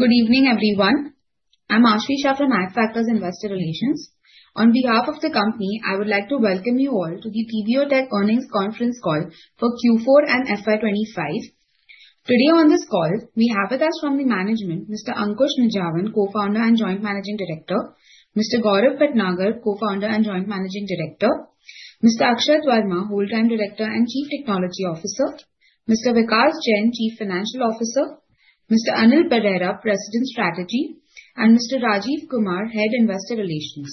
Good evening, everyone. I'm Aashvi Shah from Adfactors Investor Relations. On behalf of the company, I would like to welcome you all to the TBO Tek earnings conference call for Q4 and FY25. Today on this call, we have with us from the management, Mr. Ankush Nijhawan, Co-founder and Joint Managing Director; Mr. Gaurav Bhatnagar, Co-founder and Joint Managing Director; Mr. Akshat Varma, Whole-time Director and Chief Technology Officer; Mr. Vikas Jhunjhunwala, Chief Financial Officer; Mr. Anil Parashar, President Strategy; and Mr. Rajiv Kumar, Head Investor Relations.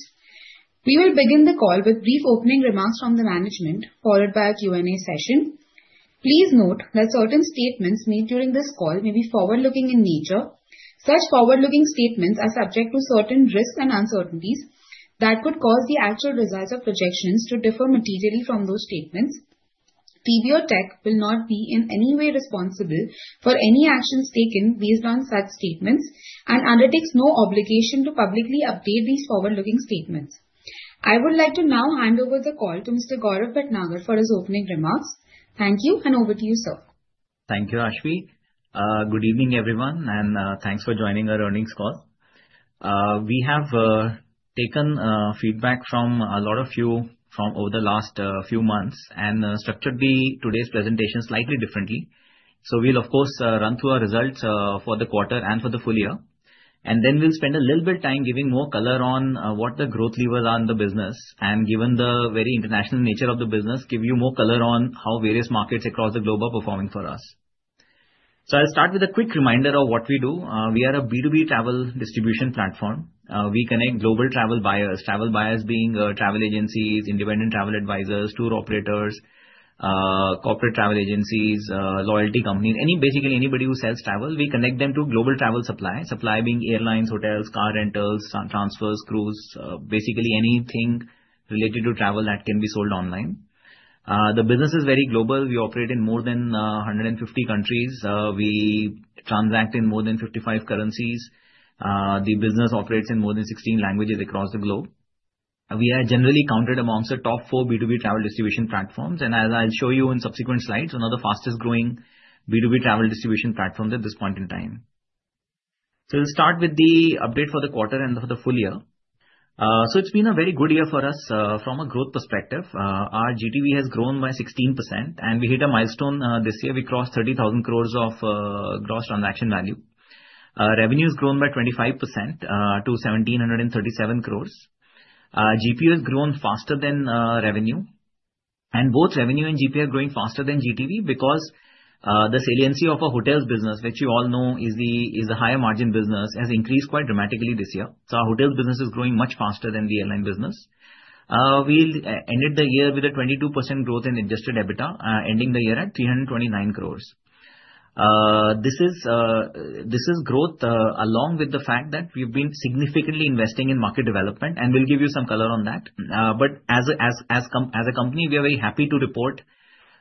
We will begin the call with brief opening remarks from the management, followed by a Q&A session. Please note that certain statements made during this call may be forward-looking in nature. Such forward-looking statements are subject to certain risks and uncertainties that could cause the actual results of projections to differ materially from those statements. TBO Tek will not be in any way responsible for any actions taken based on such statements and undertakes no obligation to publicly update these forward-looking statements. I would like to now hand over the call to Mr. Gaurav Bhatnagar for his opening remarks. Thank you, and over to you, sir. Thank you, Aashvi Shah. Good evening, everyone, and thanks for joining our earnings call. We have taken feedback from a lot of you over the last few months and structured today's presentation slightly differently. So we'll, of course, run through our results for the quarter and for the full year. And then we'll spend a little bit of time giving more color on what the growth levers are in the business and, given the very international nature of the business, give you more color on how various markets across the globe are performing for us. So I'll start with a quick reminder of what we do. We are a B2B travel distribution platform. We connect global travel buyers, travel buyers being travel agencies, independent travel advisors, tour operators, corporate travel agencies, loyalty companies, basically anybody who sells travel. We connect them to global travel supply, supply being airlines, hotels, car rentals, transfers, cruise, basically anything related to travel that can be sold online. The business is very global. We operate in more than 150 countries. We transact in more than 55 currencies. The business operates in more than 16 languages across the globe. We are generally counted amongst the top four B2B travel distribution platforms, and as I'll show you in subsequent slides, one of the fastest-growing B2B travel distribution platforms at this point in time. So we'll start with the update for the quarter and for the full year. So it's been a very good year for us. From a growth perspective, our GTV has grown by 16%, and we hit a milestone this year. We crossed 30,000 crores of gross transaction value. Revenue has grown by 25% to 1,737 crores. GP has grown faster than revenue. Both revenue and GP are growing faster than GTV because the saliency of our hotels business, which you all know is a higher margin business, has increased quite dramatically this year. Our hotels business is growing much faster than the airline business. We ended the year with a 22% growth in adjusted EBITDA, ending the year at 329 crores. This is growth along with the fact that we've been significantly investing in market development, and we'll give you some color on that. As a company, we are very happy to report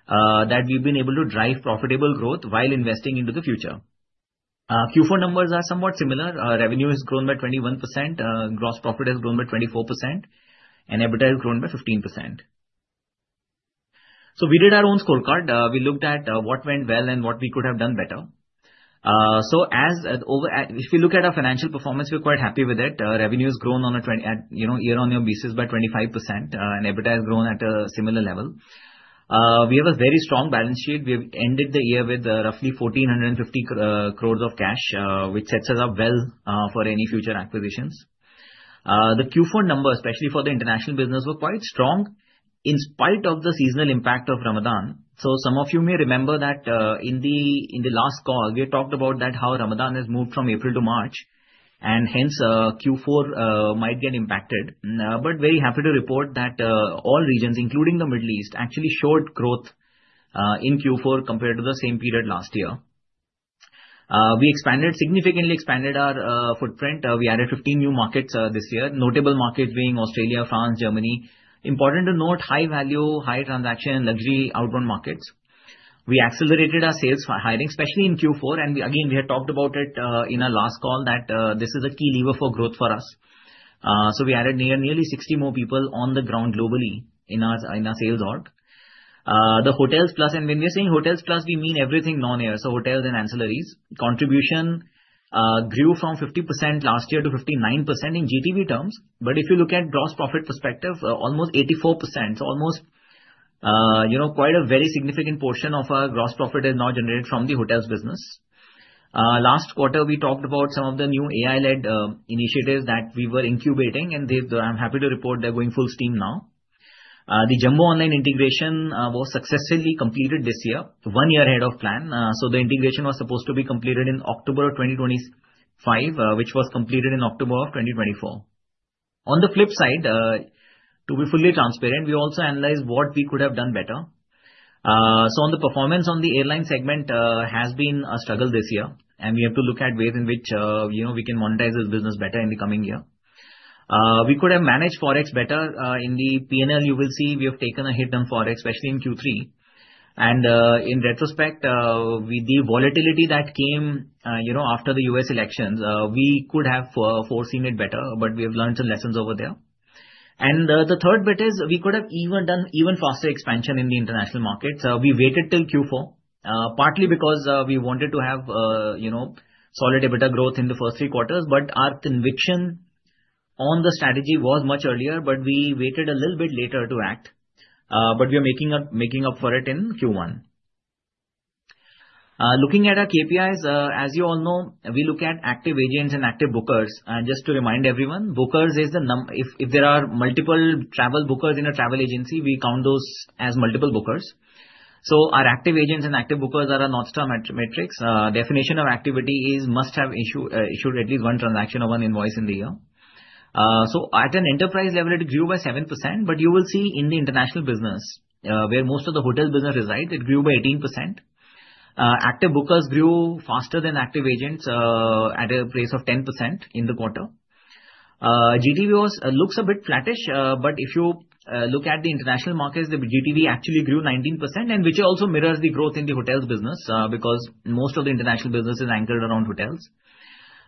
that we've been able to drive profitable growth while investing into the future. Q4 numbers are somewhat similar. Revenue has grown by 21%. Gross profit has grown by 24%, and EBITDA has grown by 15%. We did our own scorecard. We looked at what went well and what we could have done better. So if we look at our financial performance, we're quite happy with it. Revenue has grown on a year-on-year basis by 25%, and EBITDA has grown at a similar level. We have a very strong balance sheet. We have ended the year with roughly 1,450 crores of cash, which sets us up well for any future acquisitions. The Q4 numbers, especially for the international business, were quite strong in spite of the seasonal impact of Ramadan. So some of you may remember that in the last call, we talked about how Ramadan has moved from April to March, and hence Q4 might get impacted. But very happy to report that all regions, including the Middle East, actually showed growth in Q4 compared to the same period last year. We significantly expanded our footprint. We added 15 new markets this year, notable markets being Australia, France, Germany. Important to note, high value, high transaction, luxury outbound markets. We accelerated our sales hiring, especially in Q4. And again, we had talked about it in our last call that this is a key lever for growth for us. So we added nearly 60 more people on the ground globally in our sales arc. The hotels plus, and when we're saying hotels plus, we mean everything non-air, so hotels and ancillaries. Contribution grew from 50% last year to 59% in GTV terms. But if you look at gross profit perspective, almost 84%, so almost quite a very significant portion of our gross profit is now generated from the hotels business. Last quarter, we talked about some of the new AI-led initiatives that we were incubating, and I'm happy to report they're going full steam now. The Jumbo Online integration was successfully completed this year, one year ahead of plan. The integration was supposed to be completed in October of 2025, which was completed in October of 2024. On the flip side, to be fully transparent, we also analyzed what we could have done better. On the performance on the airline segment, it has been a struggle this year, and we have to look at ways in which we can monetize this business better in the coming year. We could have managed Forex better. In the P&L, you will see we have taken a hit on Forex, especially in Q3. In retrospect, with the volatility that came after the U.S. elections, we could have foreseen it better, but we have learned some lessons over there. The third bit is we could have even done even faster expansion in the international markets. We waited till Q4, partly because we wanted to have solid EBITDA growth in the first three quarters, but our conviction on the strategy was much earlier, but we waited a little bit later to act, but we are making up for it in Q1. Looking at our KPIs, as you all know, we look at active agents and active bookers, and just to remind everyone, bookers is the number if there are multiple travel bookers in a travel agency, we count those as multiple bookers. So our active agents and active bookers are a North Star metric. Definition of activity is must have issued at least one transaction or one invoice in the year. So at an enterprise level, it grew by 7%, but you will see in the international business, where most of the hotel business resides, it grew by 18%. active bookers grew faster than active agents at a pace of 10% in the quarter. GTV looks a bit flattish, but if you look at the international markets, the GTV actually grew 19%, which also mirrors the growth in the hotels business because most of the international business is anchored around hotels.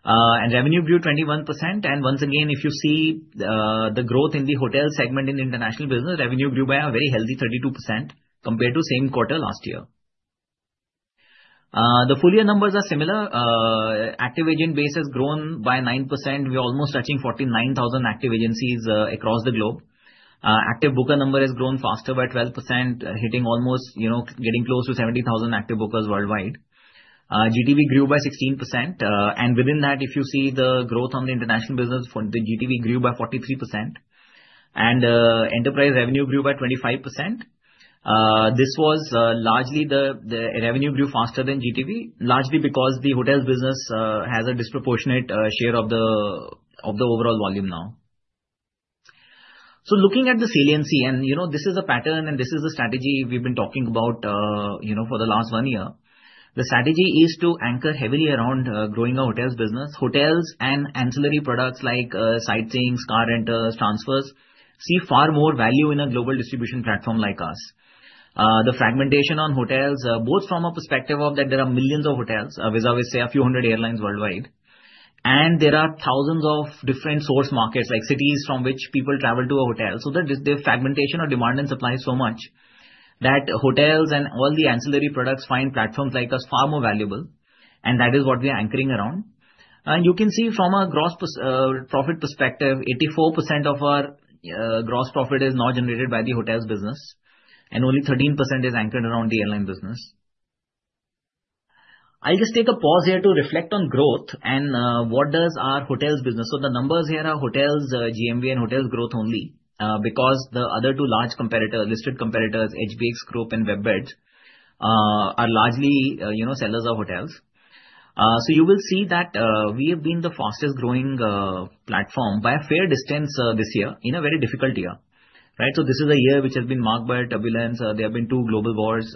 And revenue grew 21%. And once again, if you see the growth in the hotel segment in international business, revenue grew by a very healthy 32% compared to same quarter last year. The full year numbers are similar. active agent base has grown by 9%. We are almost touching 49,000 active agencies across the globe. active booker number has grown faster by 12%, hitting almost getting close to 70,000 active bookers worldwide. GTV grew by 16%. And within that, if you see the growth on the international business, the GTV grew by 43%. Enterprise revenue grew by 25%. This was largely the revenue grew faster than GTV, largely because the hotels business has a disproportionate share of the overall volume now. Looking at the saliency, and this is a pattern, and this is the strategy we've been talking about for the last one year. The strategy is to anchor heavily around growing our hotels business. Hotels and ancillary products like sightseeing, car rentals, transfers see far more value in a global distribution platform like us. The fragmentation on hotels, both from a perspective of that there are millions of hotels, as I would say, a few hundred airlines worldwide. There are thousands of different source markets, like cities from which people travel to a hotel. The fragmentation of demand and supply is so much that hotels and all the ancillary products find platforms like us far more valuable. That is what we are anchoring around. You can see from a gross profit perspective, 84% of our gross profit is now generated by the hotels business, and only 13% is anchored around the airline business. I'll just take a pause here to reflect on growth and what does our hotels business. The numbers here are hotels GMV and hotels growth only because the other two large listed competitors, HBX Group and WebBeds, are largely sellers of hotels. You will see that we have been the fastest-growing platform by a fair distance this year in a very difficult year. This is a year which has been marked by turbulence. There have been two global wars.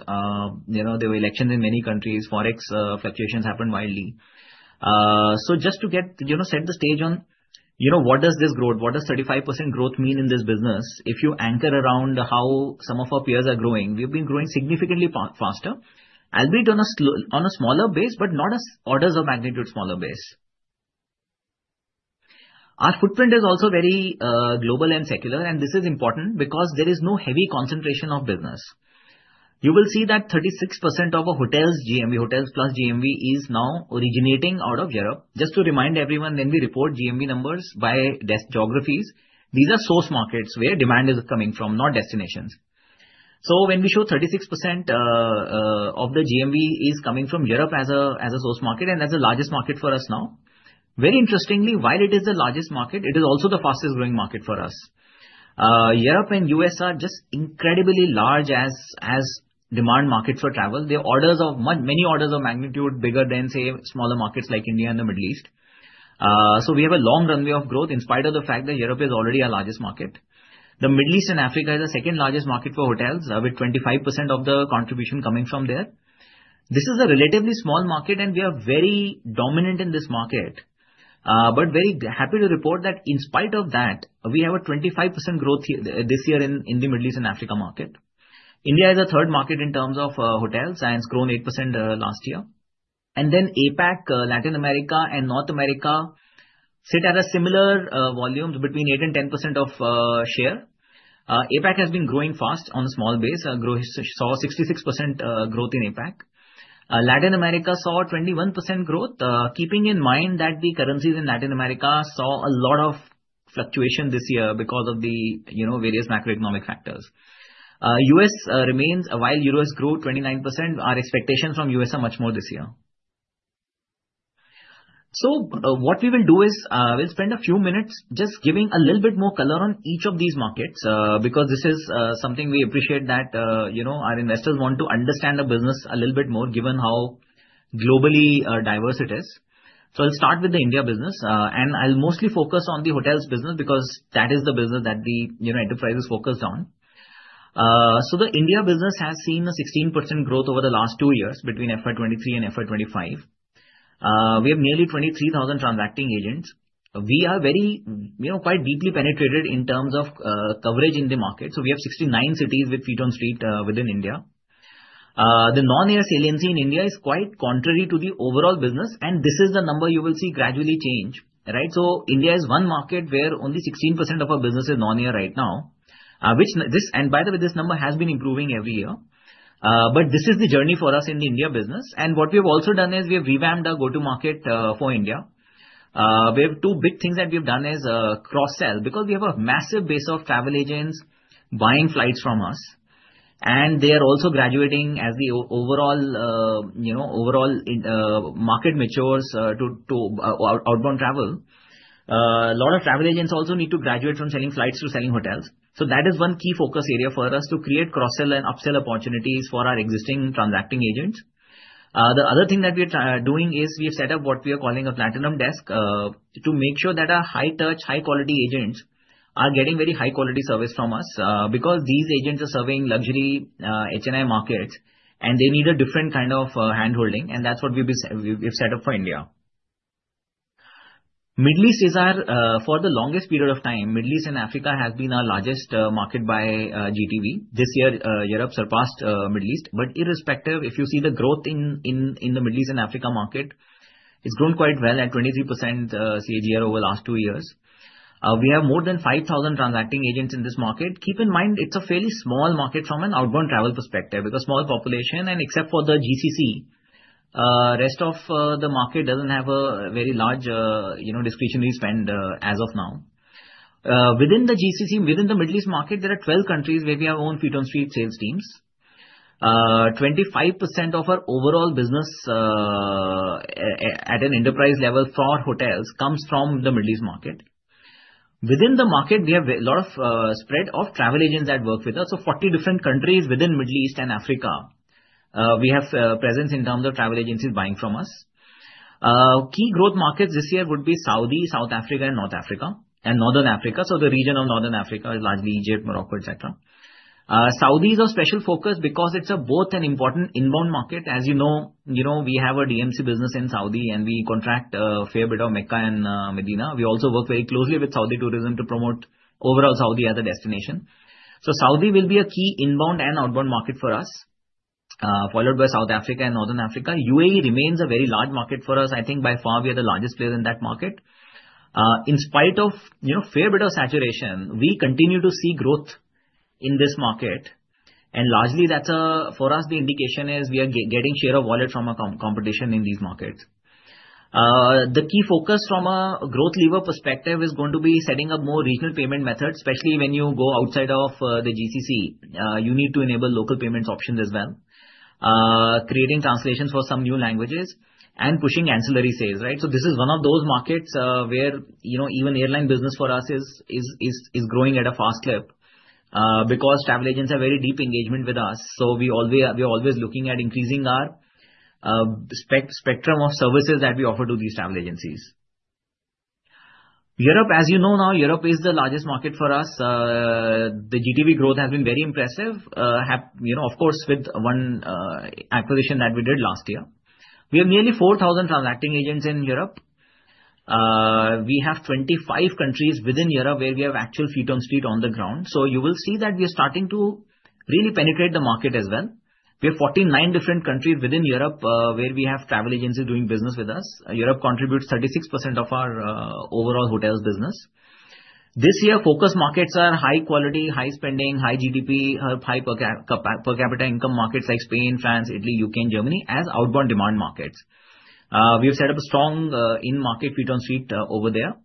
There were elections in many countries. Forex fluctuations happened widely. So just to set the stage on what does this growth, what does 35% growth mean in this business, if you anchor around how some of our peers are growing, we have been growing significantly faster, albeit on a smaller base, but not an orders of magnitude smaller base. Our footprint is also very global and secular, and this is important because there is no heavy concentration of business. You will see that 36% of our hotels, GMV hotels plus GMV, is now originating out of Europe. Just to remind everyone, when we report GMV numbers by geographies, these are source markets where demand is coming from, not destinations. So when we show 36% of the GMV is coming from Europe as a source market, and that's the largest market for us now. Very interestingly, while it is the largest market, it is also the fastest-growing market for us. Europe and the U.S. are just incredibly large as demand markets for travel. They are many orders of magnitude bigger than, say, smaller markets like India and the Middle East. So we have a long runway of growth in spite of the fact that Europe is already our largest market. The Middle East and Africa is the second largest market for hotels, with 25% of the contribution coming from there. This is a relatively small market, and we are very dominant in this market. But very happy to report that in spite of that, we have a 25% growth this year in the Middle East and Africa market. India is a third market in terms of hotels and has grown 8% last year. And then APAC, Latin America, and North America sit at a similar volume between 8% and 10% of share. APAC has been growing fast on a small base. We saw 66% growth in APAC. Latin America saw 21% growth, keeping in mind that the currencies in Latin America saw a lot of fluctuation this year because of the various macroeconomic factors. While euros grew 29%, our expectations from the US are much more this year. So what we will do is we'll spend a few minutes just giving a little bit more color on each of these markets because this is something we appreciate that our investors want to understand the business a little bit more, given how globally diverse it is. So I'll start with the India business, and I'll mostly focus on the hotels business because that is the business that the enterprise is focused on. So the India business has seen a 16% growth over the last two years between FY 2023 and FY 2025. We have nearly 23,000 transacting agents. We are quite deeply penetrated in terms of coverage in the market. So we have 69 cities with feet on street within India. The non-air saliency in India is quite contrary to the overall business, and this is the number you will see gradually change. So India is one market where only 16% of our business is non-air right now. And by the way, this number has been improving every year. But this is the journey for us in the India business. And what we have also done is we have revamped our go-to-market for India. We have two big things that we have done is cross-sell because we have a massive base of travel agents buying flights from us. And they are also graduating as the overall market matures to outbound travel. A lot of travel agents also need to graduate from selling flights to selling hotels. So that is one key focus area for us to create cross-sell and upsell opportunities for our existing transacting agents. The other thing that we are doing is we have set up what we are calling a Platinum Desk to make sure that our high-touch, high-quality agents are getting very high-quality service from us because these agents are serving luxury HNI markets, and they need a different kind of handholding. And that's what we've set up for India. Middle East is ours for the longest period of time. Middle East and Africa has been our largest market by GTV. This year, Europe surpassed Middle East. But irrespective, if you see the growth in the Middle East and Africa market, it's grown quite well at 23% CAGR over the last two years. We have more than 5,000 transacting agents in this market. Keep in mind, it's a fairly small market from an outbound travel perspective because small population, and except for the GCC, the rest of the market doesn't have a very large discretionary spend as of now. Within the GCC, within the Middle East market, there are 12 countries where we have owned feet-on-street sales teams. 25% of our overall business at an enterprise level for hotels comes from the Middle East market. Within the market, we have a lot of spread of travel agents that work with us. So 40 different countries within Middle East and Africa, we have presence in terms of travel agencies buying from us. Key growth markets this year would be Saudi, South Africa, and North Africa, and Northern Africa. So the region of Northern Africa is largely Egypt, Morocco, etc. Saudi is a special focus because it's both an important inbound market. As you know, we have a DMC business in Saudi, and we contract a fair bit of Mecca and Medina. We also work very closely with Saudi tourism to promote overall Saudi as a destination, so Saudi will be a key inbound and outbound market for us, followed by South Africa and North Africa. UAE remains a very large market for us. I think by far, we are the largest player in that market. In spite of a fair bit of saturation, we continue to see growth in this market, and largely, for us, the indication is we are getting share of wallet from our competition in these markets. The key focus from a growth lever perspective is going to be setting up more regional payment methods, especially when you go outside of the GCC. You need to enable local payments options as well, creating translations for some new languages, and pushing ancillary sales. So this is one of those markets where even airline business for us is growing at a fast clip because travel agents have very deep engagement with us. So we are always looking at increasing our spectrum of services that we offer to these travel agencies. Europe, as you know now, Europe is the largest market for us. The GTV growth has been very impressive, of course, with one acquisition that we did last year. We have nearly 4,000 transacting agents in Europe. We have 25 countries within Europe where we have actual feet-on-street on the ground. So you will see that we are starting to really penetrate the market as well. We have 49 different countries within Europe where we have travel agencies doing business with us. Europe contributes 36% of our overall hotels business. This year, focus markets are high quality, high spending, high GDP, high per capita income markets like Spain, France, Italy, U.K., and Germany as outbound demand markets. We have set up a strong in-market feet-on-street over there.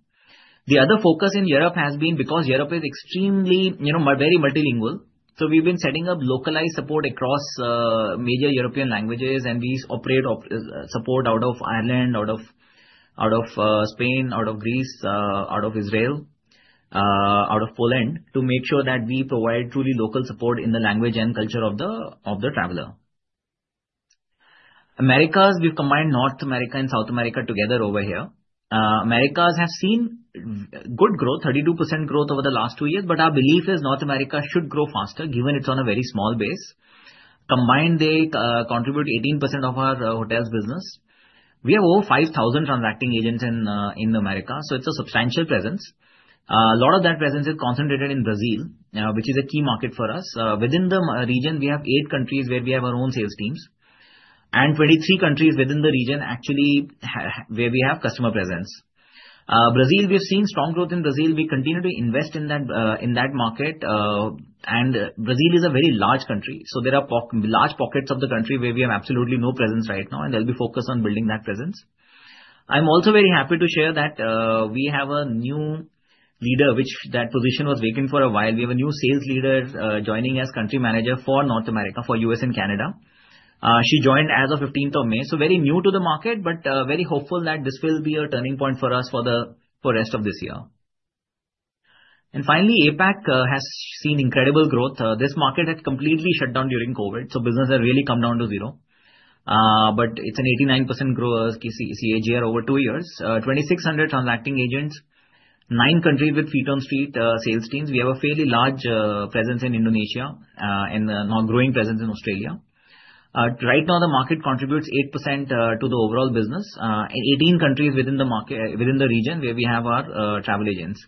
The other focus in Europe has been because Europe is extremely very multilingual. So we've been setting up localized support across major European languages, and we operate support out of Ireland, out of Spain, out of Greece, out of Israel, out of Poland to make sure that we provide truly local support in the language and culture of the traveler. Americas, we've combined North America and South America together over here. Americas have seen good growth, 32% growth over the last two years, but our belief is North America should grow faster given it's on a very small base. Combined, they contribute 18% of our hotels business. We have over 5,000 transacting agents in Americas, so it's a substantial presence. A lot of that presence is concentrated in Brazil, which is a key market for us. Within the region, we have eight countries where we have our own sales teams, and 23 countries within the region actually where we have customer presence. Brazil, we have seen strong growth in Brazil. We continue to invest in that market, and Brazil is a very large country. So there are large pockets of the country where we have absolutely no presence right now, and they'll be focused on building that presence. I'm also very happy to share that we have a new leader, which that position was vacant for a while. We have a new sales leader joining as country manager for North America, for US and Canada. She joined as of 15th of May, so very new to the market, but very hopeful that this will be a turning point for us for the rest of this year, and finally, APAC has seen incredible growth. This market had completely shut down during COVID, so business had really come down to zero, but it's an 89% growth CAGR over two years, 2,600 transacting agents, nine countries with feet-on-street sales teams. We have a fairly large presence in Indonesia and a growing presence in Australia. Right now, the market contributes 8% to the overall business, 18 countries within the region where we have our travel agents.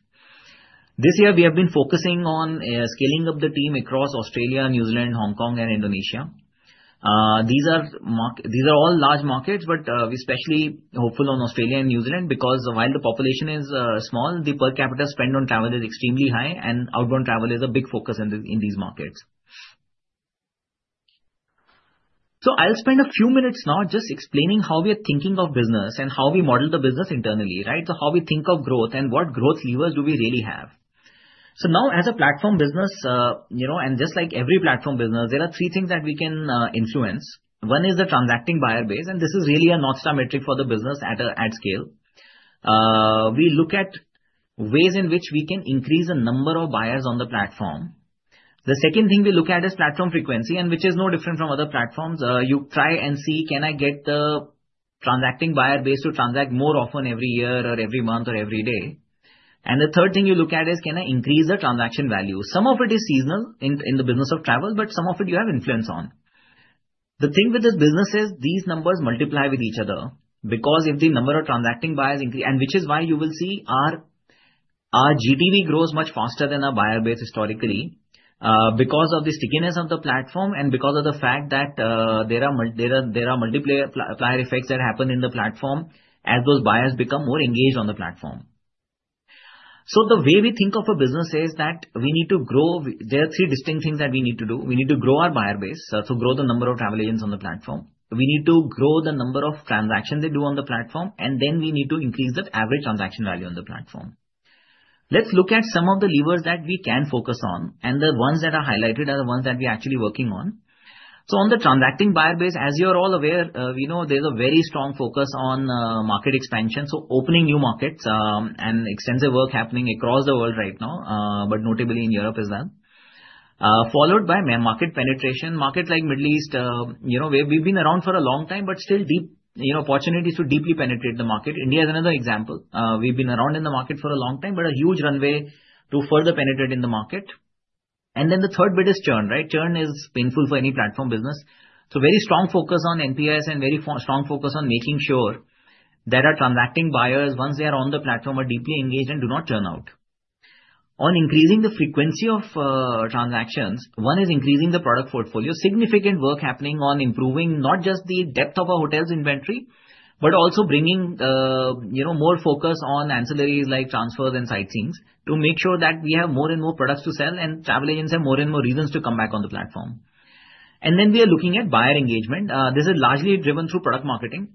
This year, we have been focusing on scaling up the team across Australia, New Zealand, Hong Kong, and Indonesia. These are all large markets, but we're especially hopeful on Australia and New Zealand because while the population is small, the per capita spend on travel is extremely high, and outbound travel is a big focus in these markets. So I'll spend a few minutes now just explaining how we are thinking of business and how we model the business internally, so how we think of growth and what growth levers do we really have. So now, as a platform business, and just like every platform business, there are three things that we can influence. One is the transacting buyer base, and this is really a North Star metric for the business at scale. We look at ways in which we can increase the number of buyers on the platform. The second thing we look at is platform frequency, which is no different from other platforms. You try and see, can I get the transacting buyer base to transact more often every year or every month or every day? And the third thing you look at is, can I increase the transaction value? Some of it is seasonal in the business of travel, but some of it you have influence on. The thing with this business is these numbers multiply with each other because if the number of transacting buyers increases, which is why you will see our GTV grows much faster than our buyer base historically because of the stickiness of the platform and because of the fact that there are multiplier effects that happen in the platform as those buyers become more engaged on the platform. So the way we think of a business is that we need to grow. There are three distinct things that we need to do. We need to grow our buyer base, so grow the number of travel agents on the platform. We need to grow the number of transactions they do on the platform, and then we need to increase the average transaction value on the platform. Let's look at some of the levers that we can focus on, and the ones that are highlighted are the ones that we are actually working on. So on the transacting buyer base, as you are all aware, there's a very strong focus on market expansion, so opening new markets and extensive work happening across the world right now, but notably in Europe as well, followed by market penetration. Markets like Middle East, where we've been around for a long time, but still opportunities to deeply penetrate the market. India is another example. We've been around in the market for a long time, but a huge runway to further penetrate in the market. And then the third bit is churn. Churn is painful for any platform business. So very strong focus on NPS and very strong focus on making sure that our transacting buyers, once they are on the platform, are deeply engaged and do not churn out. On increasing the frequency of transactions, one is increasing the product portfolio. Significant work happening on improving not just the depth of our hotels' inventory, but also bringing more focus on ancillaries like transfers and sightseeing to make sure that we have more and more products to sell and travel agents have more and more reasons to come back on the platform. And then we are looking at buyer engagement. This is largely driven through product marketing.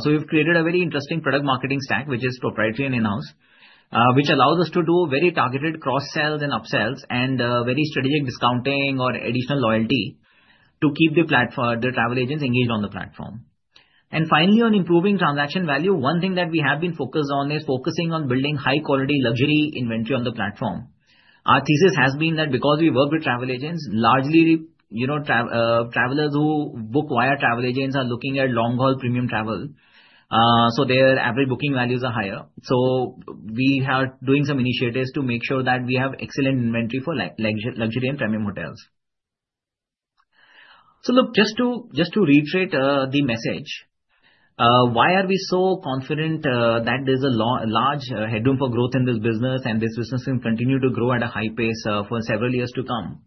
So we've created a very interesting product marketing stack, which is proprietary and in-house, which allows us to do very targeted cross-sells and upsells and very strategic discounting or additional loyalty to keep the travel agents engaged on the platform. And finally, on improving transaction value, one thing that we have been focused on is focusing on building high-quality luxury inventory on the platform. Our thesis has been that because we work with travel agents, largely travelers who book via travel agents are looking at long-haul premium travel, so their average booking values are higher. So we are doing some initiatives to make sure that we have excellent inventory for luxury and premium hotels. So look, just to reiterate the message, why are we so confident that there's a large headroom for growth in this business and this business can continue to grow at a high pace for several years to come?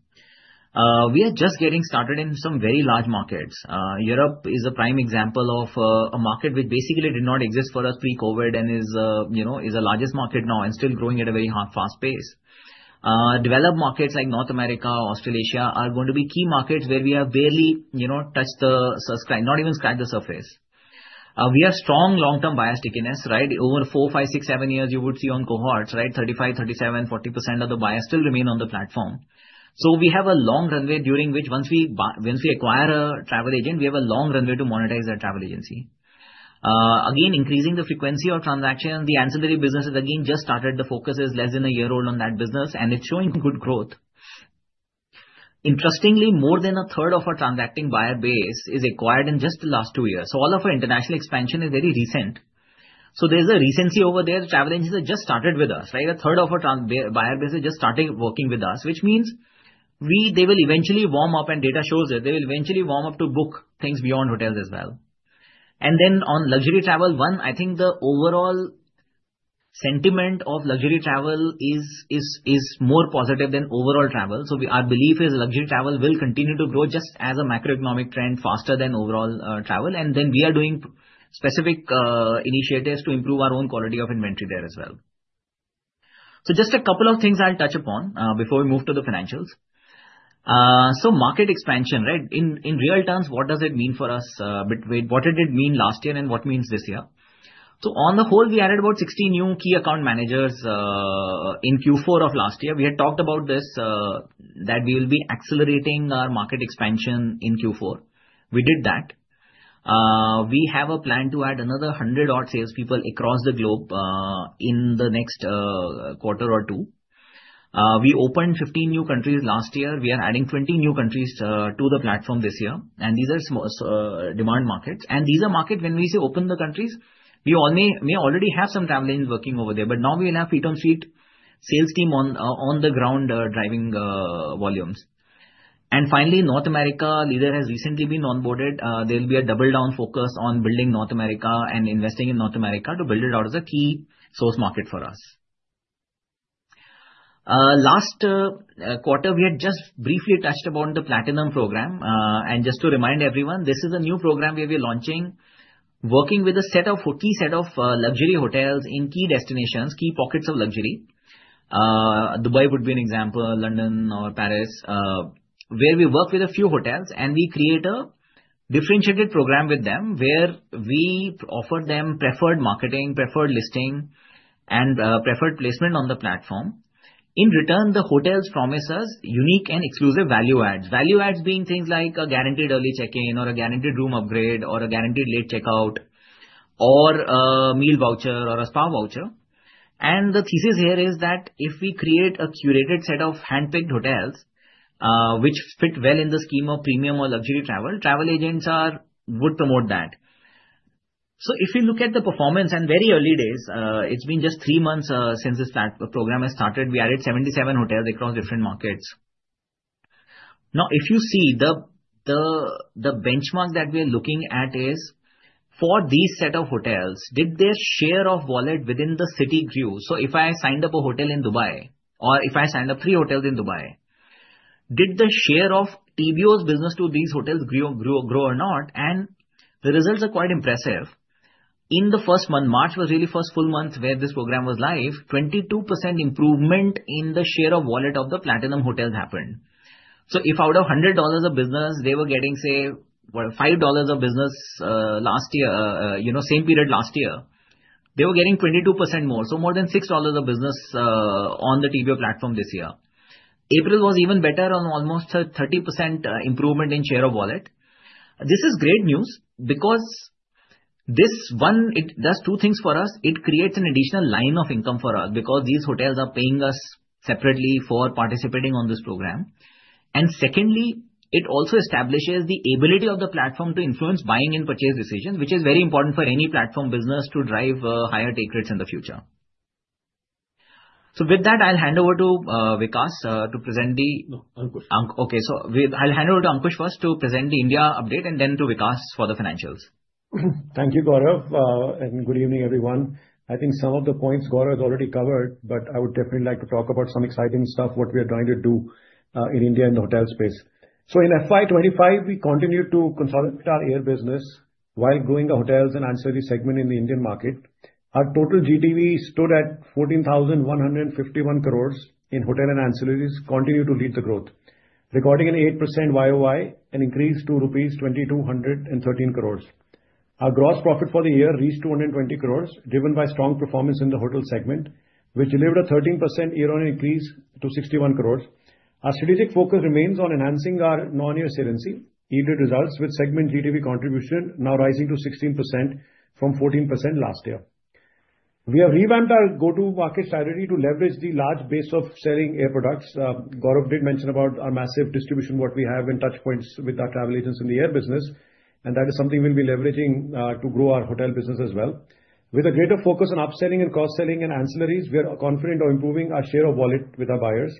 We are just getting started in some very large markets. Europe is a prime example of a market which basically did not exist for us pre-COVID and is the largest market now and still growing at a very fast pace. Developed markets like North America, Australasia are going to be key markets where we have barely touched the surface, not even scratched the surface. We have strong long-term buyer stickiness. Over four, five, six, seven years, you would see on cohorts, 35%, 37%, 40% of the buyers still remain on the platform. So we have a long runway during which, once we acquire a travel agent, we have a long runway to monetize that travel agency. Again, increasing the frequency of transaction, the ancillary businesses again just started. The focus is less than a year old on that business, and it's showing good growth. Interestingly, more than a third of our transacting buyer base is acquired in just the last two years. So all of our international expansion is very recent. So there's a recency over there. Travel agents have just started with us. A third of our buyer base is just starting working with us, which means they will eventually warm up, and data shows that they will eventually warm up to book things beyond hotels as well. And then on luxury travel, one, I think the overall sentiment of luxury travel is more positive than overall travel. So our belief is luxury travel will continue to grow just as a macroeconomic trend faster than overall travel. And then we are doing specific initiatives to improve our own quality of inventory there as well. So just a couple of things I'll touch upon before we move to the financials. So market expansion, in real terms, what does it mean for us? What did it mean last year and what means this year? So on the whole, we added about 60 new key account managers in Q4 of last year. We had talked about this that we will be accelerating our market expansion in Q4. We did that. We have a plan to add another 100 odd salespeople across the globe in the next quarter or two. We opened 15 new countries last year. We are adding 20 new countries to the platform this year. These are demand markets. These are markets when we say open the countries, we may already have some travel agents working over there, but now we will have feet-on-street sales team on the ground driving volumes. Finally, North America leader has recently been onboarded. There will be a double-down focus on building North America and investing in North America to build it out as a key source market for us. Last quarter, we had just briefly touched upon the Platinum program. Just to remind everyone, this is a new program where we are launching, working with a key set of luxury hotels in key destinations, key pockets of luxury. Dubai would be an example, London or Paris, where we work with a few hotels, and we create a differentiated program with them where we offer them preferred marketing, preferred listing, and preferred placement on the platform. In return, the hotels promise us unique and exclusive value adds, value adds being things like a guaranteed early check-in or a guaranteed room upgrade or a guaranteed late checkout or a meal voucher or a spa voucher. And the thesis here is that if we create a curated set of handpicked hotels which fit well in the scheme of premium or luxury travel, travel agents would promote that. So if you look at the performance and very early days, it's been just three months since this program has started, we added 77 hotels across different markets. Now, if you see the benchmark that we are looking at is for these set of hotels, did their share of wallet within the city grow? So if I signed up a hotel in Dubai or if I signed up three hotels in Dubai, did the share of TBO's business to these hotels grow or not? And the results are quite impressive. In the first month, March was really first full month where this program was live, 22% improvement in the share of wallet of the Platinum hotels happened. So if out of $100 of business, they were getting, say, $5 of business last year, same period last year, they were getting 22% more, so more than $6 of business on the TBO platform this year. April was even better on almost a 30% improvement in share of wallet. This is great news because this one does two things for us. It creates an additional line of income for us because these hotels are paying us separately for participating on this program. And secondly, it also establishes the ability of the platform to influence buying and purchase decisions, which is very important for any platform business to drive higher take rates in the future. So with that, I'll hand over to Vikas to present the - Ankush. Okay. So I'll hand over to Ankush first to present the India update and then to Vikas for the financials. Thank you, Gaurav, and good evening, everyone. I think some of the points Gaurav has already covered, but I would definitely like to talk about some exciting stuff, what we are trying to do in India in the hotel space. So in FY25, we continued to consolidate our air business while growing the hotels and ancillary segment in the Indian market. Our total GTV stood at 14,151 crores in hotel and ancillaries, continued to lead the growth, recording an 8% YoY and increased to rupees 2,213 crores. Our gross profit for the year reached 220 crores, driven by strong performance in the hotel segment, which delivered a 13% year-on-year increase to 61 crores. Our strategic focus remains on enhancing our non-air saliency, hotel results with segment GTV contribution now rising to 16% from 14% last year. We have revamped our go-to-market strategy to leverage the large base of selling air products. Gaurav did mention about our massive distribution, what we have in touch points with our travel agents in the air business, and that is something we'll be leveraging to grow our hotel business as well. With a greater focus on upselling and cross-selling and ancillaries, we are confident of improving our share of wallet with our buyers.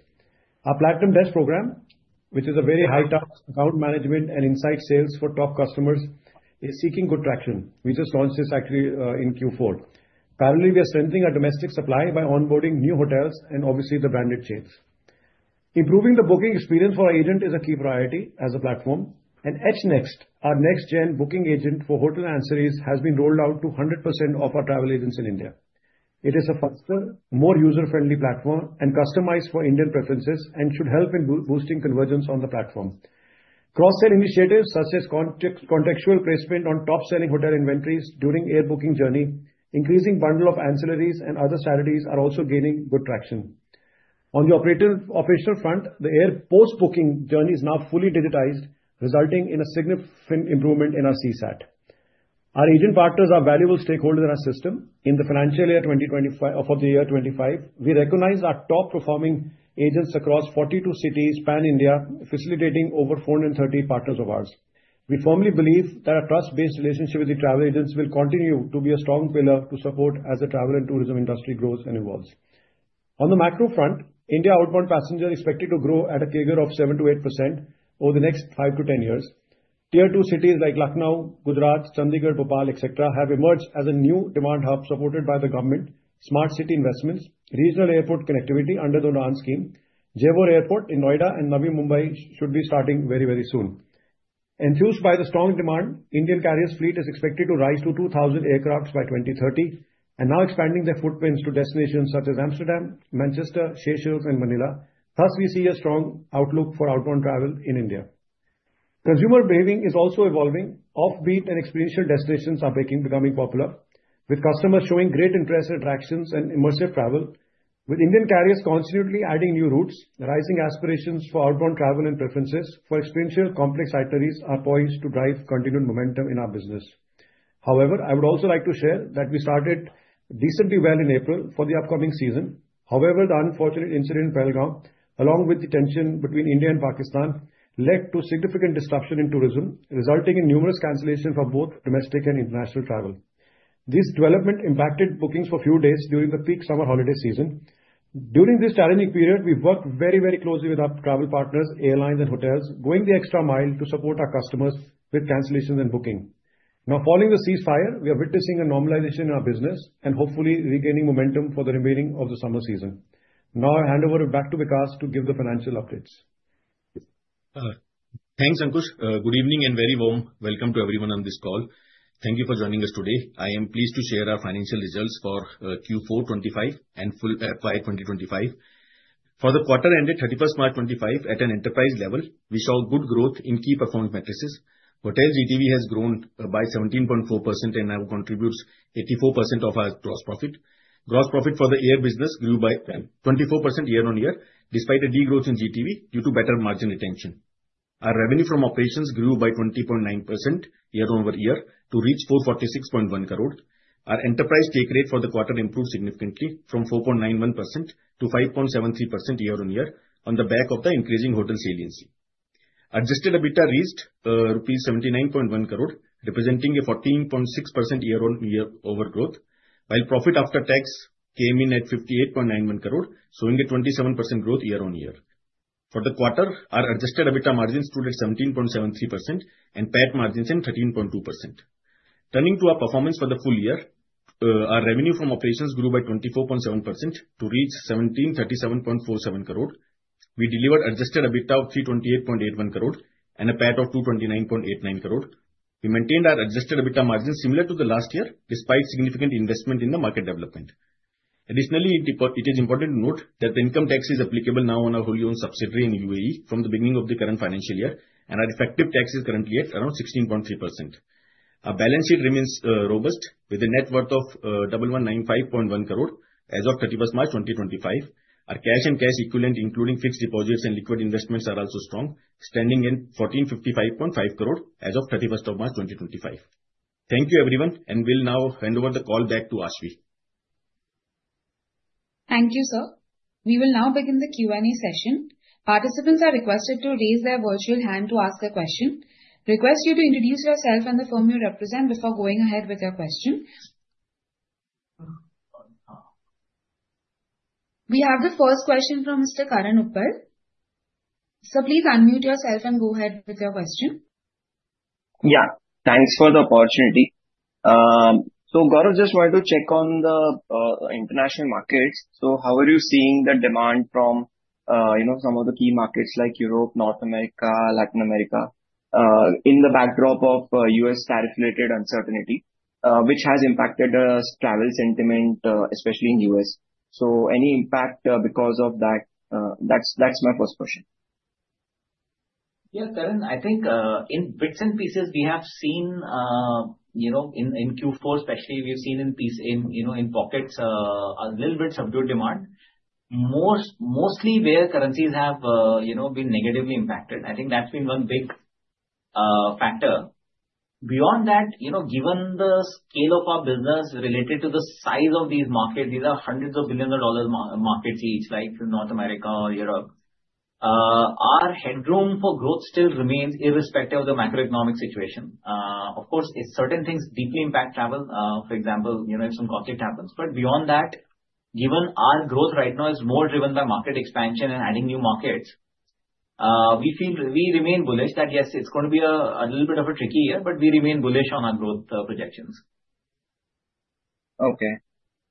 Our Platinum Desk program, which is a very high-touch account management and insight sales for top customers, is seeing good traction. We just launched this actually in Q4. Parallelly, we are strengthening our domestic supply by onboarding new hotels and obviously the branded chains. Improving the booking experience for our agent is a key priority as a platform. And hNext, our next-gen booking agent for hotel and ancillaries, has been rolled out to 100% of our travel agents in India. It is a faster, more user-friendly platform and customized for Indian preferences and should help in boosting convergence on the platform. Cross-sell initiatives such as contextual placement on top-selling hotel inventories during air booking journey, increasing bundle of ancillaries, and other strategies are also gaining good traction. On the operational front, the air post-booking journey is now fully digitized, resulting in a significant improvement in our CSAT. Our agent partners are valuable stakeholders in our system. In the financial year for the year '25, we recognize our top-performing agents across 42 cities pan-India, facilitating over 430 partners of ours. We firmly believe that our trust-based relationship with the travel agents will continue to be a strong pillar to support as the travel and tourism industry grows and evolves. On the macro front, India outbound passengers are expected to grow at a figure of 7%-8% over the next 5 to 10 years. Tier 2 cities like Lucknow, Gujarat, Chandigarh, Bhopal, etc., have emerged as a new demand hub supported by the government, smart city investments, regional airport connectivity under the UDAN scheme. Jewar Airport in Noida and Navi Mumbai should be starting very, very soon. Enthused by the strong demand, Indian carrier fleet is expected to rise to 2,000 aircraft by 2030 and now expanding their footprints to destinations such as Amsterdam, Manchester, Seychelles, and Manila. Thus, we see a strong outlook for outbound travel in India. Consumer behavior is also evolving. Off-beat and experiential destinations are becoming popular, with customers showing great interest in attractions and immersive travel. With Indian carriers continually adding new routes, rising aspirations for outbound travel and preferences for experiential, complex itineraries are poised to drive continued momentum in our business. However, I would also like to share that we started decently well in April for the upcoming season. However, the unfortunate incident in Pahalgam, along with the tension between India and Pakistan, led to significant disruption in tourism, resulting in numerous cancellations for both domestic and international travel. This development impacted bookings for a few days during the peak summer holiday season. During this challenging period, we've worked very, very closely with our travel partners, airlines, and hotels, going the extra mile to support our customers with cancellations and booking. Now, following the ceasefire, we are witnessing a normalization in our business and hopefully regaining momentum for the remaining of the summer season. Now, I'll hand over back to Vikas to give the financial updates. Thanks, Ankush. Good evening and very warm welcome to everyone on this call. Thank you for joining us today. I am pleased to share our financial results for Q4 2025 and FY2025. For the quarter ended 31st March 2025, at an enterprise level, we saw good growth in key performance metrics. Hotel GTV has grown by 17.4% and now contributes 84% of our gross profit. Gross profit for the air business grew by 24% year-on-year, despite a degrowth in GTV due to better margin retention. Our revenue from operations grew by 20.9% year-over-year to reach 446.1 crore. Our enterprise take rate for the quarter improved significantly from 4.91% to 5.73% year-on-year on the back of the increasing hotel saliency. Adjusted EBITDA raised rupees 79.1 crore, representing a 14.6% year-on-year growth, while profit after tax came in at 58.91 crore, showing a 27% growth year-on-year. For the quarter, our adjusted EBITDA margins stood at 17.73% and PAT margins at 13.2%. Turning to our performance for the full year, our revenue from operations grew by 24.7% to reach 1,737.47 crore. We delivered adjusted EBITDA of 328.81 crore and a PAT of 229.89 crore. We maintained our adjusted EBITDA margins similar to the last year, despite significant investment in the market development. Additionally, it is important to note that the income tax is applicable now on our wholly-owned subsidiary in UAE from the beginning of the current financial year, and our effective tax is currently at around 16.3%. Our balance sheet remains robust, with a net worth of 1,195.1 crore as of 31st March 2025. Our cash and cash equivalent, including fixed deposits and liquid investments, are also strong, standing in 1,455.5 crore as of 31st of March 2025. Thank you, everyone, and we'll now hand over the call back to Aashvi Shah. Thank you, sir. We will now begin the Q&A session. Participants are requested to raise their virtual hand to ask a question. Request you to introduce yourself and the firm you represent before going ahead with your question. We have the first question from Mr. Karan Uppal. So please unmute yourself and go ahead with your question. Yeah, thanks for the opportunity. So Gaurav just wanted to check on the international markets. So how are you seeing the demand from some of the key markets like Europe, North America, Latin America in the backdrop of U.S. tariff-related uncertainty, which has impacted travel sentiment, especially in the U.S.? So any impact because of that? That's my first question. Yeah, Karan, I think in bits and pieces, we have seen in Q4, especially we've seen in pockets a little bit subdued demand, mostly where currencies have been negatively impacted. I think that's been one big factor. Beyond that, given the scale of our business related to the size of these markets, these are hundreds of billions of dollars markets each, like North America or Europe, our headroom for growth still remains irrespective of the macroeconomic situation. Of course, certain things deeply impact travel, for example, if some conflict happens. But beyond that, given our growth right now is more driven by market expansion and adding new markets, we remain bullish that yes, it's going to be a little bit of a tricky year, but we remain bullish on our growth projections. Okay.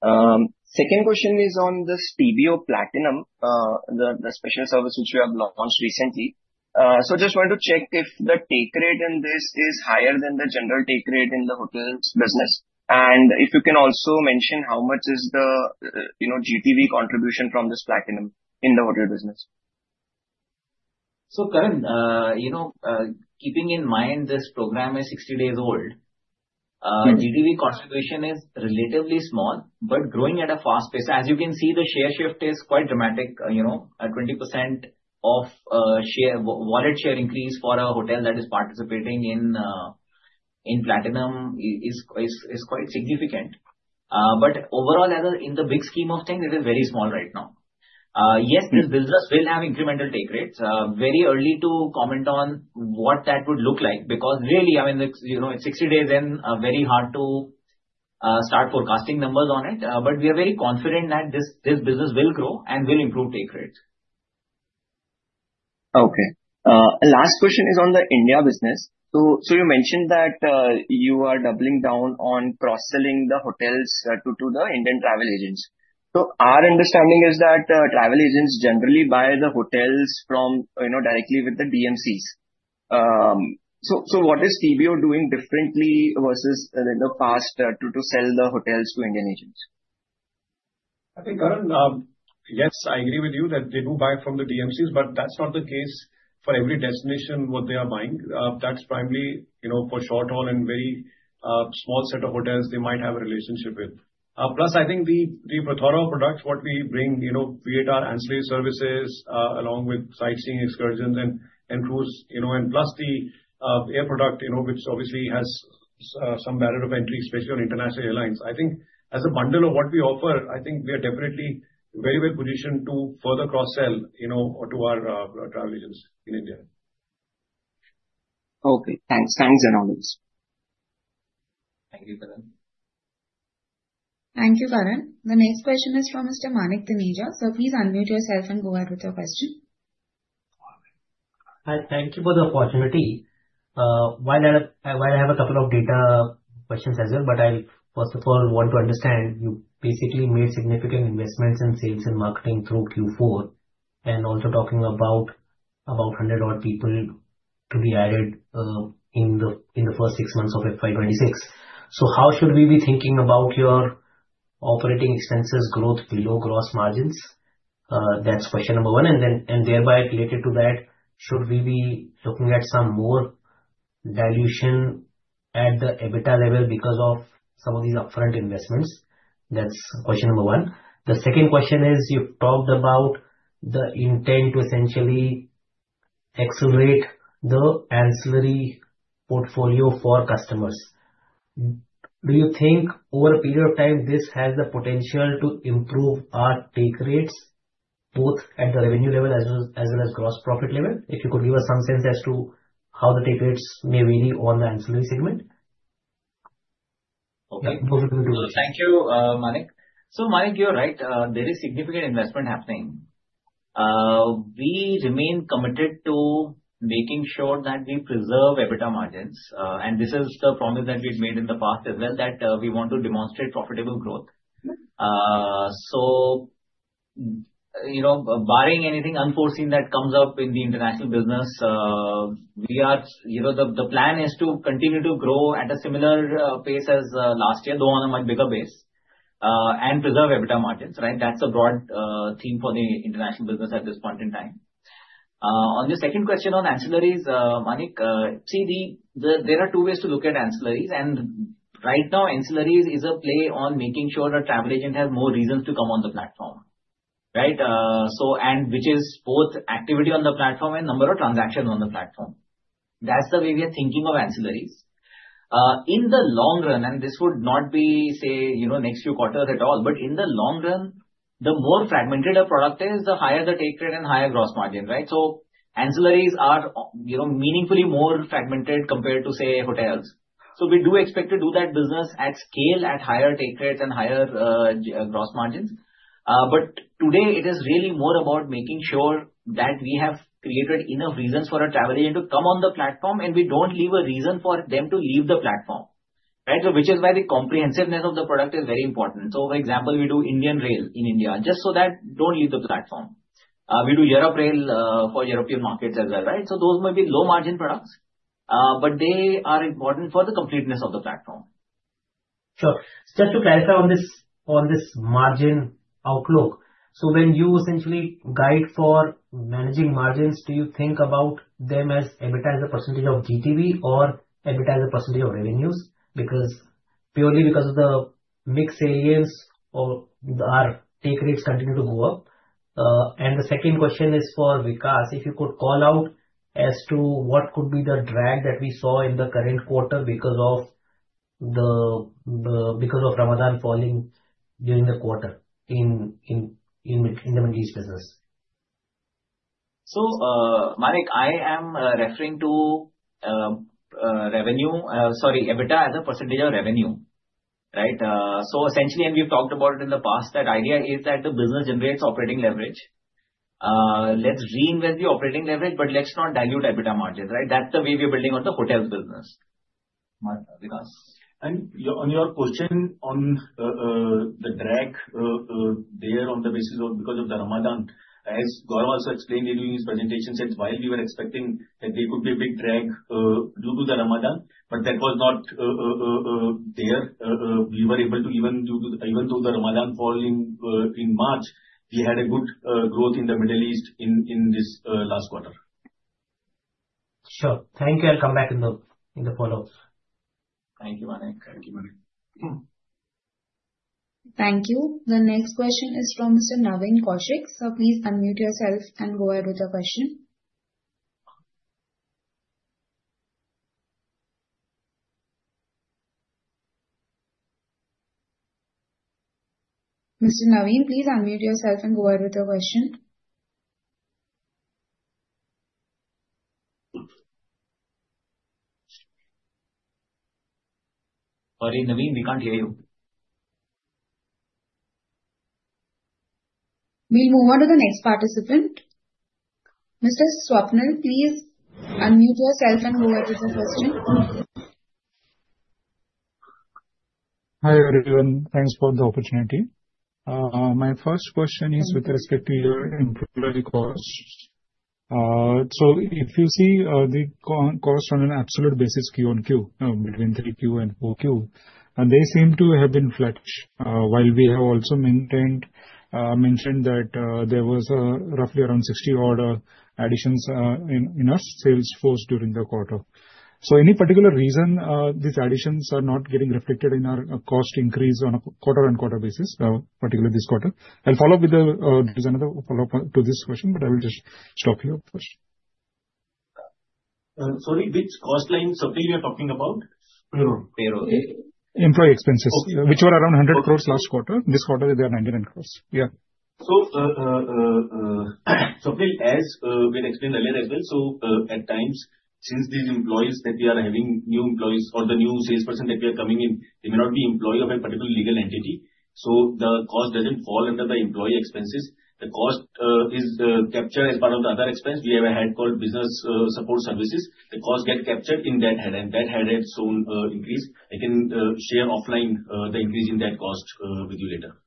Second question is on this TBO Platinum, the special service which we have launched recently. So I just wanted to check if the take rate in this is higher than the general take rate in the hotel business. And if you can also mention how much is the GTV contribution from this Platinum in the hotel business. So Karan, keeping in mind this program is 60 days old, GTV contribution is relatively small, but growing at a fast pace. As you can see, the share shift is quite dramatic. 20% of wallet share increase for a hotel that is participating in Platinum is quite significant. But overall, in the big scheme of things, it is very small right now. Yes, this business will have incremental take rates. Very early to comment on what that would look like because really, I mean, it's 60 days and very hard to start forecasting numbers on it. But we are very confident that this business will grow and will improve take rate. Okay. Last question is on the India business. So you mentioned that you are doubling down on cross-selling the hotels to the Indian travel agents. So our understanding is that travel agents generally buy the hotels directly with the DMCs. So what is TBO doing differently versus in the past to sell the hotels to Indian agents? I think, Karan, yes, I agree with you that they do buy from the DMCs, but that's not the case for every destination what they are buying. That's primarily for short-haul and very small set of hotels they might have a relationship with. Plus, I think the hNext product, what we bring, create our ancillary services along with sightseeing, excursions, and cruise. And plus the air product, which obviously has some barrier of entry, especially on international airlines. I think as a bundle of what we offer, I think we are definitely very well positioned to further cross-sell to our travel agents in India. Okay. Thanks. Thanks, [and always]. Thank you, Karan. Thank you, Karan. The next question is from Mr. Manik Taneja. So please unmute yourself and go ahead with your question. Thank you for the opportunity. While I have a couple of data questions as well, but I first of all want to understand, you basically made significant investments in sales and marketing through Q4 and also talking about 100-odd people to be added in the first six months of FY26. So how should we be thinking about your operating expenses growth below gross margins? That's question number one. And thereby related to that, should we be looking at some more dilution at the EBITDA level because of some of these upfront investments? That's question number one. The second question is you talked about the intent to essentially accelerate the ancillary portfolio for customers. Do you think over a period of time, this has the potential to improve our take rates both at the revenue level as well as gross profit level? If you could give us some sense as to how the take rates may vary on the ancillary segment? Okay. Thank you, Manik. So Manik, you're right. There is significant investment happening. We remain committed to making sure that we preserve EBITDA margins. And this is the promise that we've made in the past as well that we want to demonstrate profitable growth. So barring anything unforeseen that comes up in the international business, the plan is to continue to grow at a similar pace as last year, though on a much bigger base, and preserve EBITDA margins. Right? That's a broad theme for the international business at this point in time. On the second question on ancillaries, Manik, see, there are two ways to look at ancillaries. And right now, ancillaries is a play on making sure a travel agent has more reasons to come on the platform, right? Which is both activity on the platform and number of transactions on the platform. That's the way we are thinking of ancillaries. In the long run, and this would not be, say, next few quarters at all, but in the long run, the more fragmented a product is, the higher the take rate and higher gross margin, right? So ancillaries are meaningfully more fragmented compared to, say, hotels. So we do expect to do that business at scale, at higher take rates and higher gross margins. But today, it is really more about making sure that we have created enough reasons for a travel agent to come on the platform and we don't leave a reason for them to leave the platform, right? So which is why the comprehensiveness of the product is very important. So for example, we do Indian Rail in India just so that they don't leave the platform. We do Europe Rail for European markets as well, right? So those may be low-margin products, but they are important for the completeness of the platform. Sure. Just to clarify on this margin outlook, so when you essentially guide for managing margins, do you think about them as EBITDA as a percentage of GTV or EBITDA as a percentage of revenues purely because of the mixed saliency or our take rates continue to go up? And the second question is for Vikas. If you could call out as to what could be the drag that we saw in the current quarter because of Ramadan falling during the quarter in the Middle East business. So Manik, I am referring to revenue, sorry, EBITDA as a percentage of revenue, right? So essentially, and we've talked about it in the past, that idea is that the business generates operating leverage. Let's reinvest the operating leverage, but let's not dilute EBITDA margins, right? That's the way we are building on the hotels business. Vikas. And on your question on the drag there on the basis of because of the Ramadan, as Gaurav also explained during his presentation that while we were expecting that there could be a big drag due to the Ramadan, but that was not there. We were able to, even though the Ramadan falling in March, we had a good growth in the Middle East in this last quarter. Sure. Thank you. I'll come back in the follow-up. Thank you, Manik. Thank you, Manik. Thank you. The next question is from Mr. Naveen Kaushik. So please unmute yourself and go ahead with your question. Mr. Naveen, please unmute yourself and go ahead with your question. Sorry, Naveen, we can't hear you. We'll move on to the next participant. Mr. Swapnil, please unmute yourself and go ahead with your question. Hi everyone. Thanks for the opportunity. My first question is with respect to your employee costs. So if you see the cost on an absolute basis, Q on Q between 3Q and 4Q, they seem to have been flat while we have also mentioned that there was roughly around 60-odd additions in our sales force during the quarter. So any particular reason these additions are not getting reflected in our cost increase on a quarter-on-quarter basis, particularly this quarter? I'll follow up with another follow-up to this question, but I will just stop here first. Sorry, which cost line, Swapnil, you are talking about? Payroll. Payroll. Employee expenses, which were around 100 crores last quarter. This quarter, they are 99 crores. Yeah. So Swapnil, as we had explained earlier as well, so at times, since these employees that we are having new employees or the new salesperson that we are coming in, they may not be employees of a particular legal entity. So the cost doesn't fall under the employee expenses. The cost is captured as part of the other expense. We have a head called Business Support Services. The costs get captured in that head, and that head has shown increase. I can share offline the increase in that cost with you later.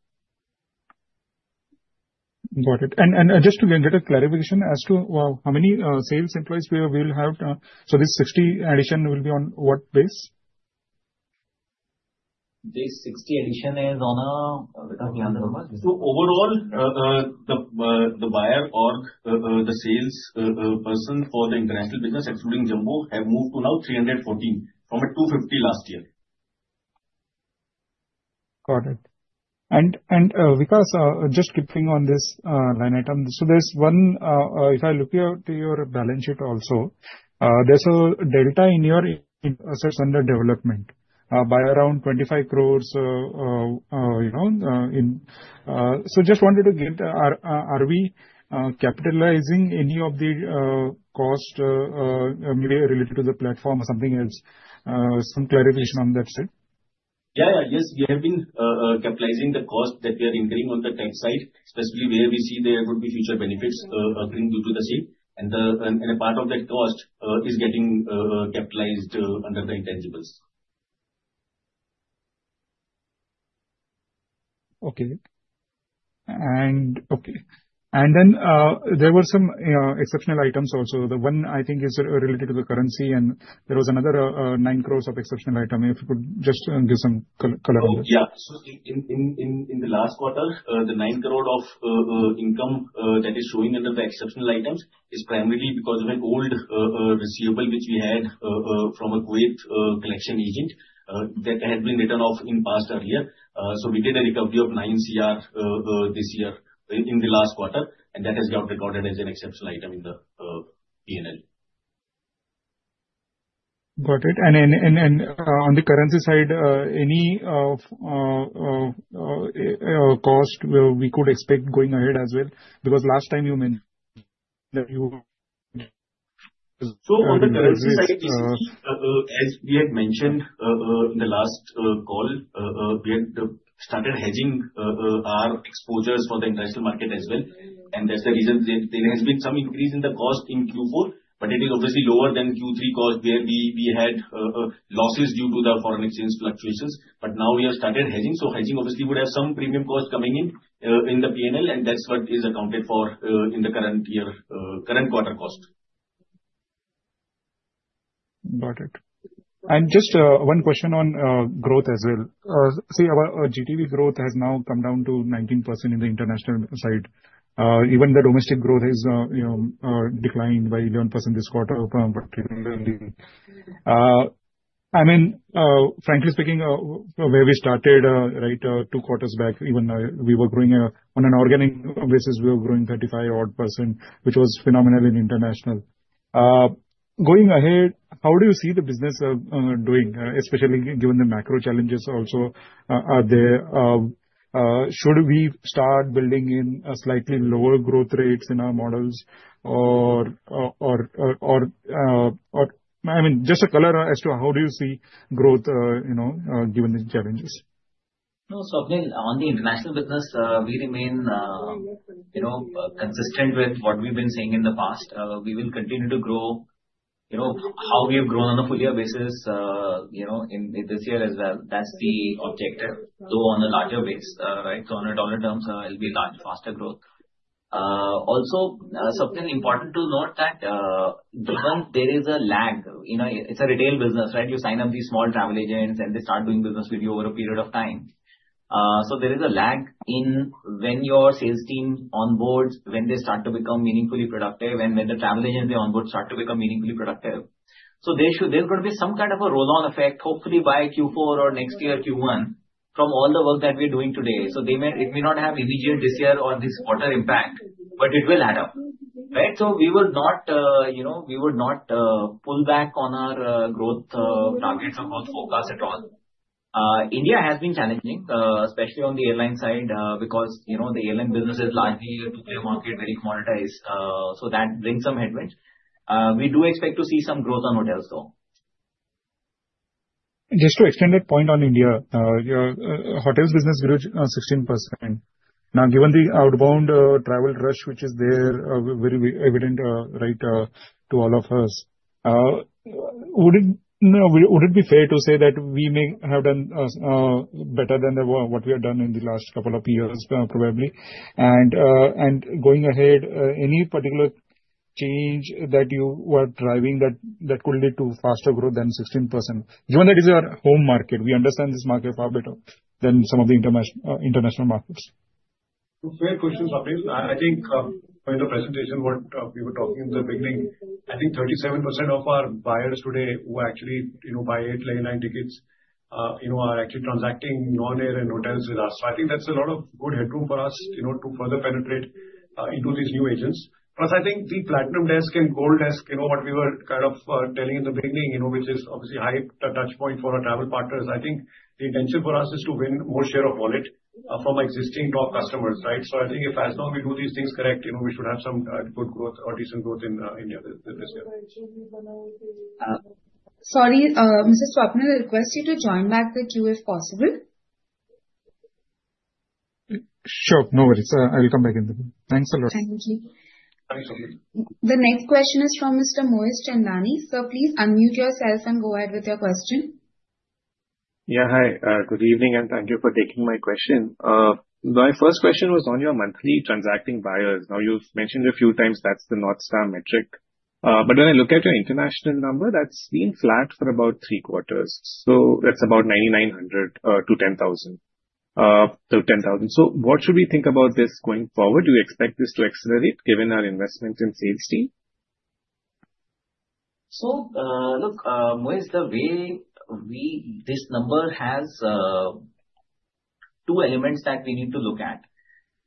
Got it. And just to get a little clarification as to how many sales employees we will have, so this 60 addition will be on what base? This 60 addition is on a... So overall, the buyer or the salesperson for the international business, excluding Jumbo, have moved to now 314 from a 250 last year. Got it. And Vikas, just keeping on this line item, so there's one, if I look at your balance sheet also, there's a delta in your assets under development by around 25 crores. So just wanted to get, are we capitalizing any of the cost maybe related to the platform or something else? Some clarification on that, sir. Yeah, yes, we have been capitalizing the cost that we are incurring on the tech side, especially where we see there could be future benefits occurring due to the same. And a part of that cost is getting capitalized under the intangibles. Okay. And okay. And then there were some exceptional items also. The one, I think, is related to the currency, and there was another 9 crores of exceptional item. If you could just give some color on that. Yeah. So in the last quarter, the 9 crore of income that is showing under the exceptional items is primarily because of an old receivable which we had from a Kuwait collection agent that had been written off in past earlier. So we did a recovery of 9 Cr this year in the last quarter, and that has got recorded as an exceptional item in the P&L. Got it. And on the currency side, any cost we could expect going ahead as well? Because last time you mentioned that you... So on the currency side. As we had mentioned in the last call, we had started hedging our exposures for the international market as well. That's the reason there has been some increase in the cost in Q4, but it is obviously lower than Q3 cost where we had losses due to the foreign exchange fluctuations. Now we have started hedging. Hedging obviously would have some premium cost coming in the P&L, and that's what is accounted for in the current quarter cost. Got it. Just one question on growth as well. See, our GTV growth has now come down to 19% in the international side. Even the domestic growth has declined by 11% this quarter. I mean, frankly speaking, where we started, right, two quarters back, even we were growing on an organic basis, we were growing 35-odd %, which was phenomenal in international. Going ahead, how do you see the business doing, especially given the macro challenges also out there? Should we start building in slightly lower growth rates in our models? Or, I mean, just a color as to how do you see growth given the challenges? No, Swapnil, on the international business, we remain consistent with what we've been saying in the past. We will continue to grow how we have grown on a full-year basis this year as well. That's the objective, though on a larger base, right? So on a dollar terms, it'll be a larger, faster growth. Also, something important to note that given there is a lag, it's a retail business, right? You sign up these small travel agents, and they start doing business with you over a period of time. So there is a lag in when your sales team onboards, when they start to become meaningfully productive, and when the travel agents they onboard start to become meaningfully productive. So there's going to be some kind of a roll-on effect, hopefully by Q4 or next year Q1, from all the work that we are doing today. So it may not have immediate this year or this quarter impact, but it will add up, right? So we would not pull back on our growth targets or growth focus at all. India has been challenging, especially on the airline side, because the airline business is largely to play a market very commoditized. So that brings some headwinds. We do expect to see some growth on hotels, though. Just to extend that point on India, hotels business grew 16%. Now, given the outbound travel rush, which is there very evident, right, to all of us, would it be fair to say that we may have done better than what we have done in the last couple of years probably? Going ahead, any particular change that you were driving that could lead to faster growth than 16%? Given that is our home market, we understand this market far better than some of the international markets. Fair question, Swapnil. I think from the presentation, what we were talking in the beginning, I think 37% of our buyers today who actually buy eight, nine tickets are actually transacting non-air and hotels with us. So I think that's a lot of good headroom for us to further penetrate into these new agents. Plus, I think the Platinum Desk and Gold Desk, what we were kind of telling in the beginning, which is obviously a high touchpoint for our travel partners, I think the intention for us is to win more share of wallet from existing top customers, right? So I think if as long as we do these things correct, we should have some good growth or decent growth in India. Sorry, Mr. Swapnil, I request you to join back the queue if possible. Sure. No worries. I'll come back in the queue. Thanks a lot. Thank you. Thanks, Swapnil. The next question is from Mr. Mohit Chandani. So please unmute yourself and go ahead with your question. Yeah, hi. Good evening and thank you for taking my question. My first question was on your monthly transacting buyers. Now, you've mentioned a few times that's the North Star metric. But when I look at your international number, that's been flat for about three quarters. So that's about 9,900-10,000. So what should we think about this going forward? Do you expect this to accelerate given our investments in sales team? So look, Mohit, the way this number has two elements that we need to look at.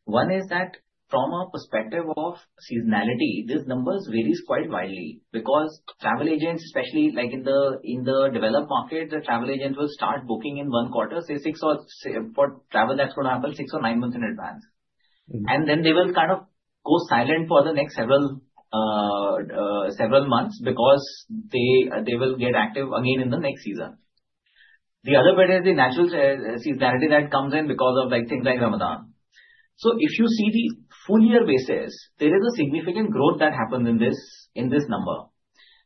One is that from a perspective of seasonality, this number varies quite widely because travel agents, especially in the developed market, the travel agents will start booking in one quarter, say, for travel that's going to happen six or nine months in advance. And then they will kind of go silent for the next several months because they will get active again in the next season. The other bit is the natural seasonality that comes in because of things like Ramadan. So if you see the full-year basis, there is a significant growth that happens in this number.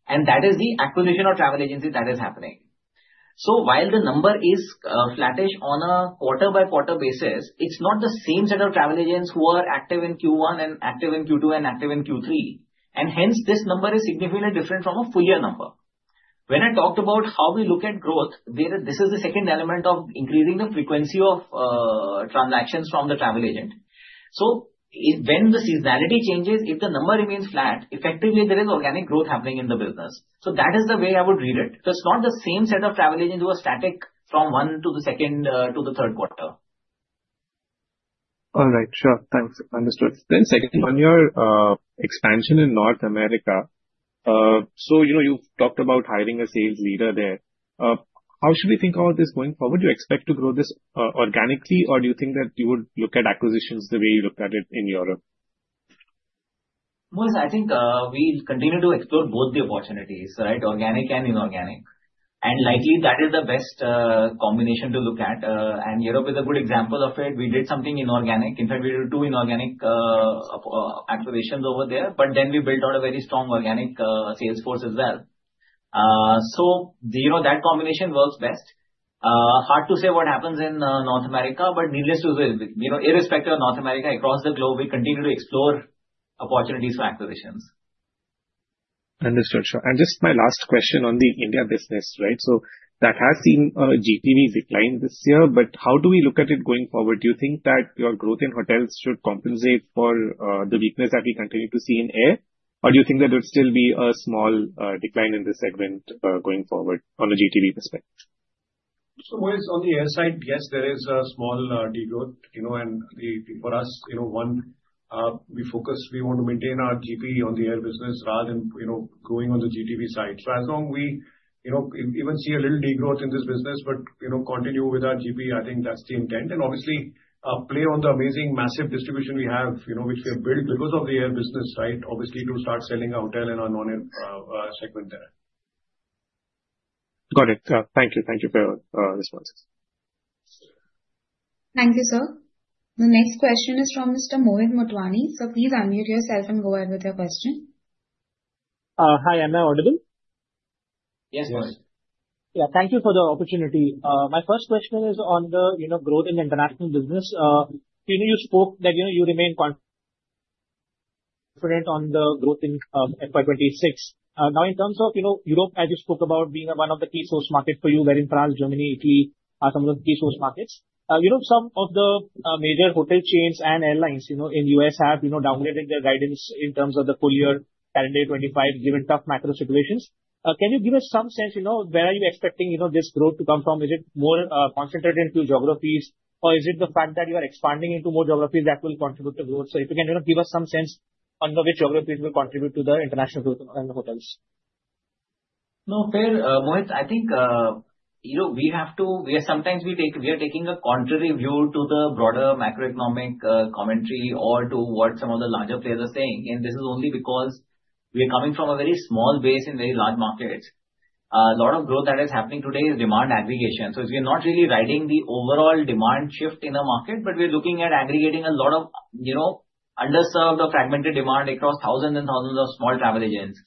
And that is the acquisition of travel agency that is happening. So while the number is flattish on a quarter-by-quarter basis, it's not the same set of travel agents who are active in Q1 and active in Q2 and active in Q3, and hence, this number is significantly different from a full-year number. When I talked about how we look at growth, this is the second element of increasing the frequency of transactions from the travel agent, so when the seasonality changes, if the number remains flat, effectively, there is organic growth happening in the business, so that is the way I would read it, so it's not the same set of travel agents who are static from one to the second to the third quarter. All right. Sure. Thanks. Understood, then second, on your expansion in North America, so you've talked about hiring a sales leader there. How should we think about this going forward? Do you expect to grow this organically, or do you think that you would look at acquisitions the way you looked at it in Europe? Mohit, I think we'll continue to explore both the opportunities, right? Organic and inorganic, and likely that is the best combination to look at. Europe is a good example of it. We did something inorganic. In fact, we did two inorganic acquisitions over there, but then we built out a very strong organic sales force as well. So that combination works best. Hard to say what happens in North America, but needless to say, irrespective of North America, across the globe, we continue to explore opportunities for acquisitions. Understood. Sure, and just my last question on the India business, right? So that has seen GTV decline this year, but how do we look at it going forward? Do you think that your growth in hotels should compensate for the weakness that we continue to see in air? Or do you think that there would still be a small decline in this segment going forward on a GTV perspective? So Mohit, on the air side, yes, there is a small degrowth. And for us, one, we focus, we want to maintain our GP on the air business rather than going on the GTV side. So as long as we even see a little degrowth in this business, but continue with our GP, I think that's the intent. And obviously, play on the amazing massive distribution we have, which we have built because of the air business, right? Obviously, to start selling our hotel and our non-air segment there. Got it. Thank you. Thank you for your responses. Thank you, sir. The next question is from Mr. Mohit Motwani. So please unmute yourself and go ahead with your question. Hi, am I audible? Yes, Mohit. Yeah, thank you for the opportunity. My first question is on the growth in international business. You spoke that you remain confident on the growth in FY26. Now, in terms of Europe, as you spoke about being one of the key source markets for you, wherein France, Germany, Italy are some of the key source markets, some of the major hotel chains and airlines in the U.S. have downgraded their guidance in terms of the full-year calendar 2025 given tough macro situations. Can you give us some sense where are you expecting this growth to come from? Is it more concentrated into geographies, or is it the fact that you are expanding into more geographies that will contribute to growth? So if you can give us some sense on which geographies will contribute to the international growth in hotels? No, fair, Mohit. I think we have to, sometimes we are taking a contrary view to the broader macroeconomic commentary or to what some of the larger players are saying. And this is only because we are coming from a very small base in very large markets. A lot of growth that is happening today is demand aggregation. So we are not really riding the overall demand shift in a market, but we are looking at aggregating a lot of underserved or fragmented demand across thousands and thousands of small travel agents.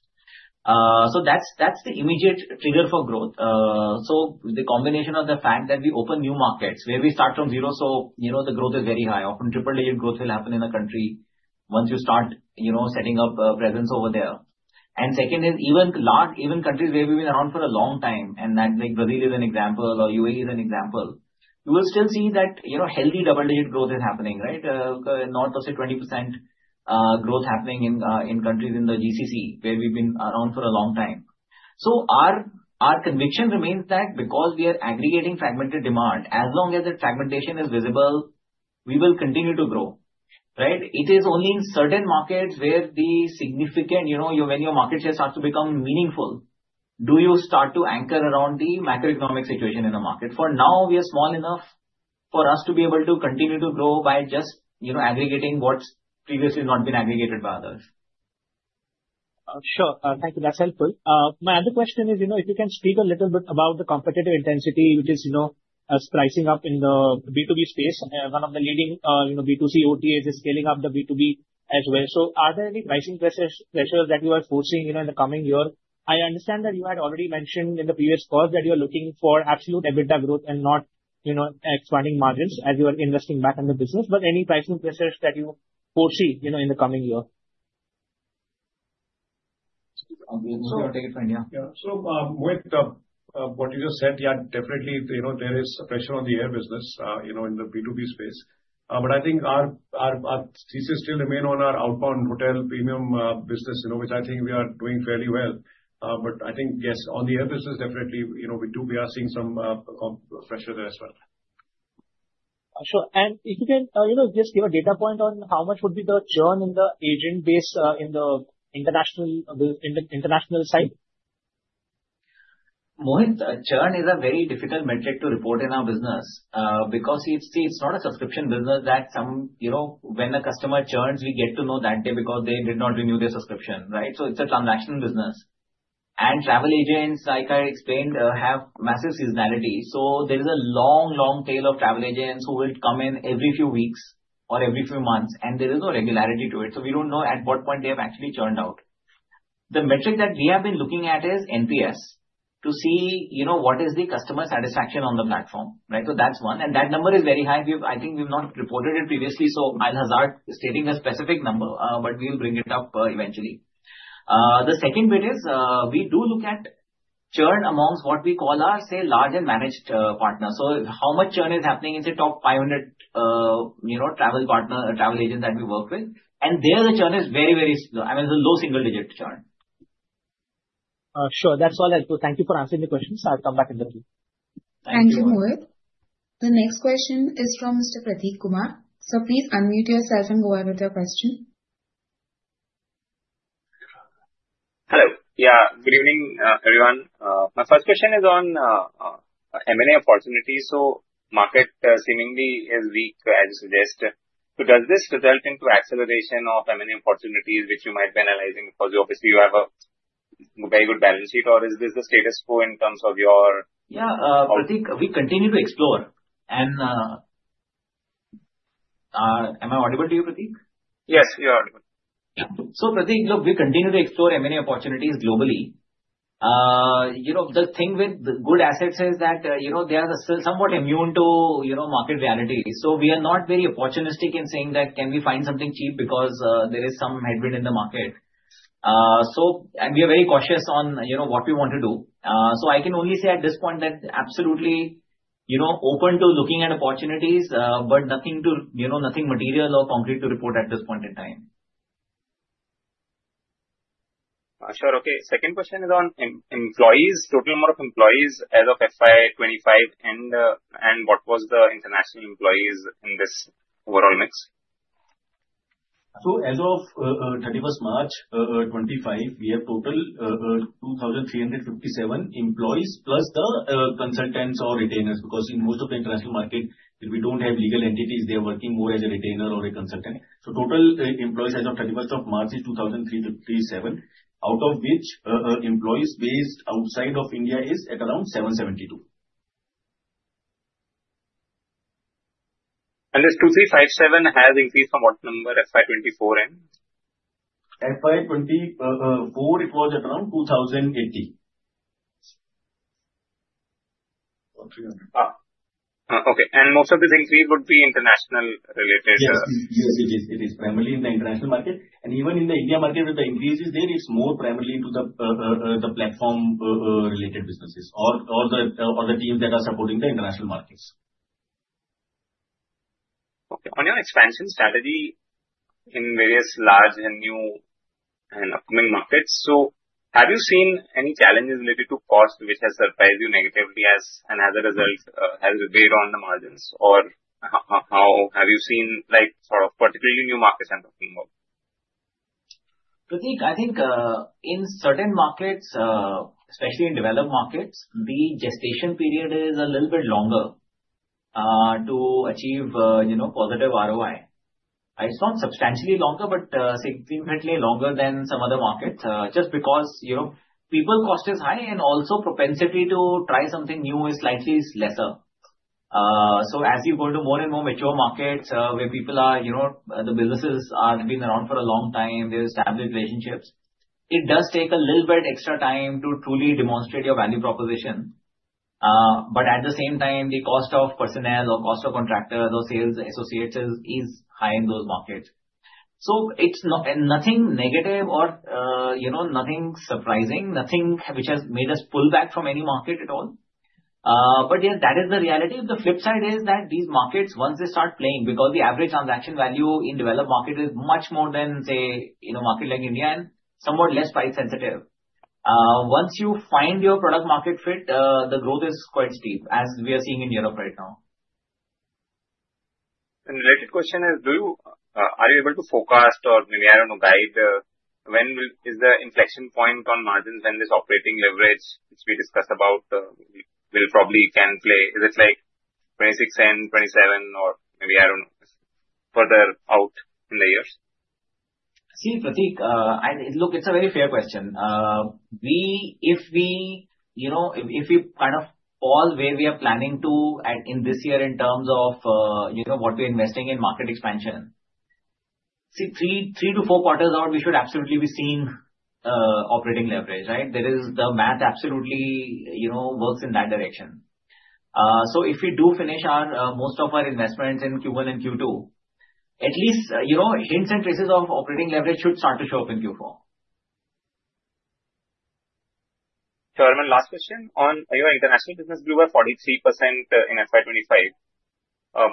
So that's the immediate trigger for growth. So the combination of the fact that we open new markets where we start from zero, so the growth is very high. Often triple-digit growth will happen in a country once you start setting up a presence over there. And second is even countries where we've been around for a long time, and Brazil is an example or UAE is an example, you will still see that healthy double-digit growth is happening, right? North of say 20% growth happening in countries in the GCC where we've been around for a long time. So our conviction remains that because we are aggregating fragmented demand, as long as the fragmentation is visible, we will continue to grow, right? It is only in certain markets where the significant, when your market shares start to become meaningful, do you start to anchor around the macroeconomic situation in the market? For now, we are small enough for us to be able to continue to grow by just aggregating what's previously not been aggregated by others. Sure. Thank you. That's helpful. My other question is, if you can speak a little bit about the competitive intensity, which is picking up in the B2B space, one of the leading B2C OTAs is scaling up the B2B as well. So are there any pricing pressures that you are facing in the coming year? I understand that you had already mentioned in the previous calls that you are looking for absolute EBITDA growth and not expanding margins as you are investing back in the business. But any pricing pressures that you foresee in the coming year? Take it, friend. Yeah. So with what you just said, yeah, definitely there is pressure on the air business in the B2B space. But I think our thesis still remains on our outbound hotel premium business, which I think we are doing fairly well. But I think, yes, on the air business, definitely, we are seeing some pressure there as well. Sure. And if you can just give a data point on how much would be the churn in the agent base in the international side? Mohit, churn is a very difficult metric to report in our business because it's not a subscription business that when a customer churns, we get to know that day because they did not renew their subscription, right? So it's a transactional business. And travel agents, like I explained, have massive seasonality. So there is a long, long tail of travel agents who will come in every few weeks or every few months. And there is no regularity to it. So we don't know at what point they have actually churned out. The metric that we have been looking at is NPS to see what is the customer satisfaction on the platform, right? So that's one, and that number is very high. I think we've not reported it previously. So I'll hazard stating a specific number, but we'll bring it up eventually. The second bit is we do look at churn amongst what we call our, say, large and managed partners. So how much churn is happening in the top 500 travel partner, travel agents that we work with? And there, the churn is very, very slow. I mean, it's a low single-digit churn. Sure. That's all helpful. Thank you for answering the questions. I'll come back in the queue. Thank you, Mohit. The next question is from Mr. Prateek Kumar. So please unmute yourself and go ahead with your question. Hello. Yeah. Good evening, everyone. My first question is on M&A opportunities. So market seemingly is weak, as you suggest. So does this result in acceleration of M&A opportunities, which you might be analyzing because obviously you have a very good balance sheet? Or is this the status quo in terms of your? Yeah, Prateek, we continue to explore. And am I audible to you, Prateek? Yes, you're audible. So Prateek, look, we continue to explore M&A opportunities globally. The thing with the good assets is that they are still somewhat immune to market reality. So we are not very opportunistic in saying that can we find something cheap because there is some headwind in the market. So I can only say at this point that absolutely open to looking at opportunities, but nothing material or concrete to report at this point in time. Sure. Okay. Second question is on employees, total number of employees as of FY25 and what was the international employees in this overall mix? So as of 31st March 2025, we have total 2,357 employees plus the consultants or retainers because in most of the international market, if we don't have legal entities, they are working more as a retainer or a consultant. So total employees as of 31st of March 2025 is 2,357, out of which employees based outside of India is at around 772. And this 2,357 has increased from what number FY24 in? FY24, it was at around 2,080. Okay. And most of this increase would be international related? Yes, it is primarily in the international market. And even in the India market, where the increase is there, it's more primarily into the platform-related businesses or the teams that are supporting the international markets. Okay. On your expansion strategy in various large and new and upcoming markets, so have you seen any challenges related to cost which has surprised you negatively and as a result has weighed on the margins? Or how have you seen sort of particularly new markets I'm talking about? Prateek, I think in certain markets, especially in developed markets, the gestation period is a little bit longer to achieve positive ROI. It's not substantially longer, but significantly longer than some other markets just because people cost is high and also propensity to try something new is slightly lesser. So as you go to more and more mature markets where people are, the businesses have been around for a long time, they've established relationships, it does take a little bit extra time to truly demonstrate your value proposition. But at the same time, the cost of personnel or cost of contractors or sales associates is high in those markets. So it's nothing negative or nothing surprising, nothing which has made us pull back from any market at all. But yes, that is the reality. The flip side is that these markets, once they start playing, because the average transaction value in developed market is much more than, say, market like India and somewhat less price sensitive. Once you find your product-market fit, the growth is quite steep, as we are seeing in Europe right now. And the related question is, are you able to forecast or maybe, I don't know, guide when is the inflection point on margins when this operating leverage which we discussed about will probably can play? Is it like 2026 and 2027 or maybe, I don't know, further out in the years? See, Prateek, look, it's a very fair question. If we kind of all where we are planning to in this year in terms of what we're investing in market expansion, see, three to four quarters out, we should absolutely be seeing operating leverage, right? That is the math absolutely works in that direction. So if we do finish most of our investments in Q1 and Q2, at least hints and traces of operating leverage should start to show up in Q4. Sure. And my last question on your international business grew by 43% in FY25.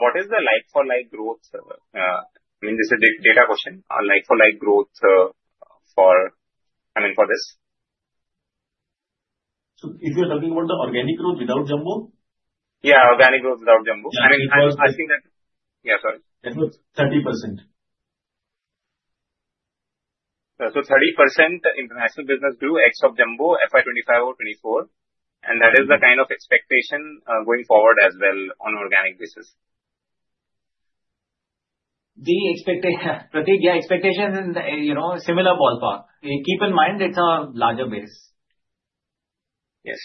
What is the like-for-like growth? I mean, this is a data question. Like-for-like growth for, I mean, for this? So if you're talking about the organic growth without Jumbo? Yeah, organic growth without Jumbo. I mean, I was asking that. Yeah, sorry. That was 30%. So 30% international business grew except Jumbo FY25 or 24. That is the kind of expectation going forward as well on organic basis. The expectation, Prateek, yeah, expectation is in similar ballpark. Keep in mind it's a larger base. Yes.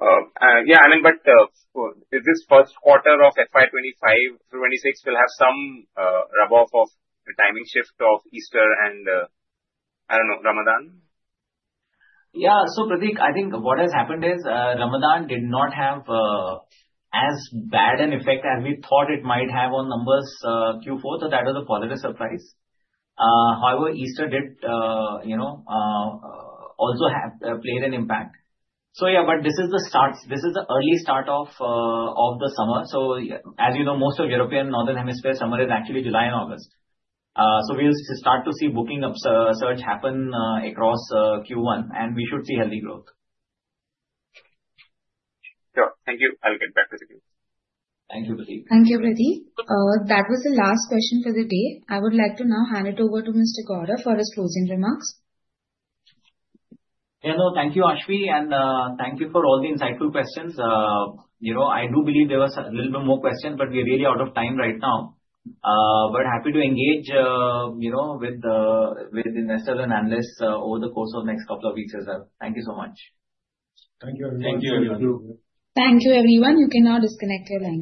Yeah, I mean, but is this first quarter of FY25 through FY26 will have some rub-off of the timing shift of Easter and, I don't know, Ramadan? Yeah. So Prateek, I think what has happened is Ramadan did not have as bad an effect as we thought it might have on numbers Q4. So that was a positive surprise. However, Easter did also have played an impact. So yeah, but this is the early start of the summer. So as you know, most of European northern hemisphere, summer is actually July and August. So we will start to see booking surge happen across Q1, and we should see healthy growth. Sure. Thank you. I'll get back to the queue. Thank you, Prateek. Thank you, Prateek. That was the last question for the day. I would like to now hand it over to Mr. Gaurav for his closing remarks. Yeah, no, thank you, Aashvi Shah. And thank you for all the insightful questions. I do believe there was a little bit more question, but we're really out of time right now. But happy to engage with investors and analysts over the course of the next couple of weeks as well. Thank you so much. Thank you everyone. Thank you. Thank you everyone. You can now disconnect your line.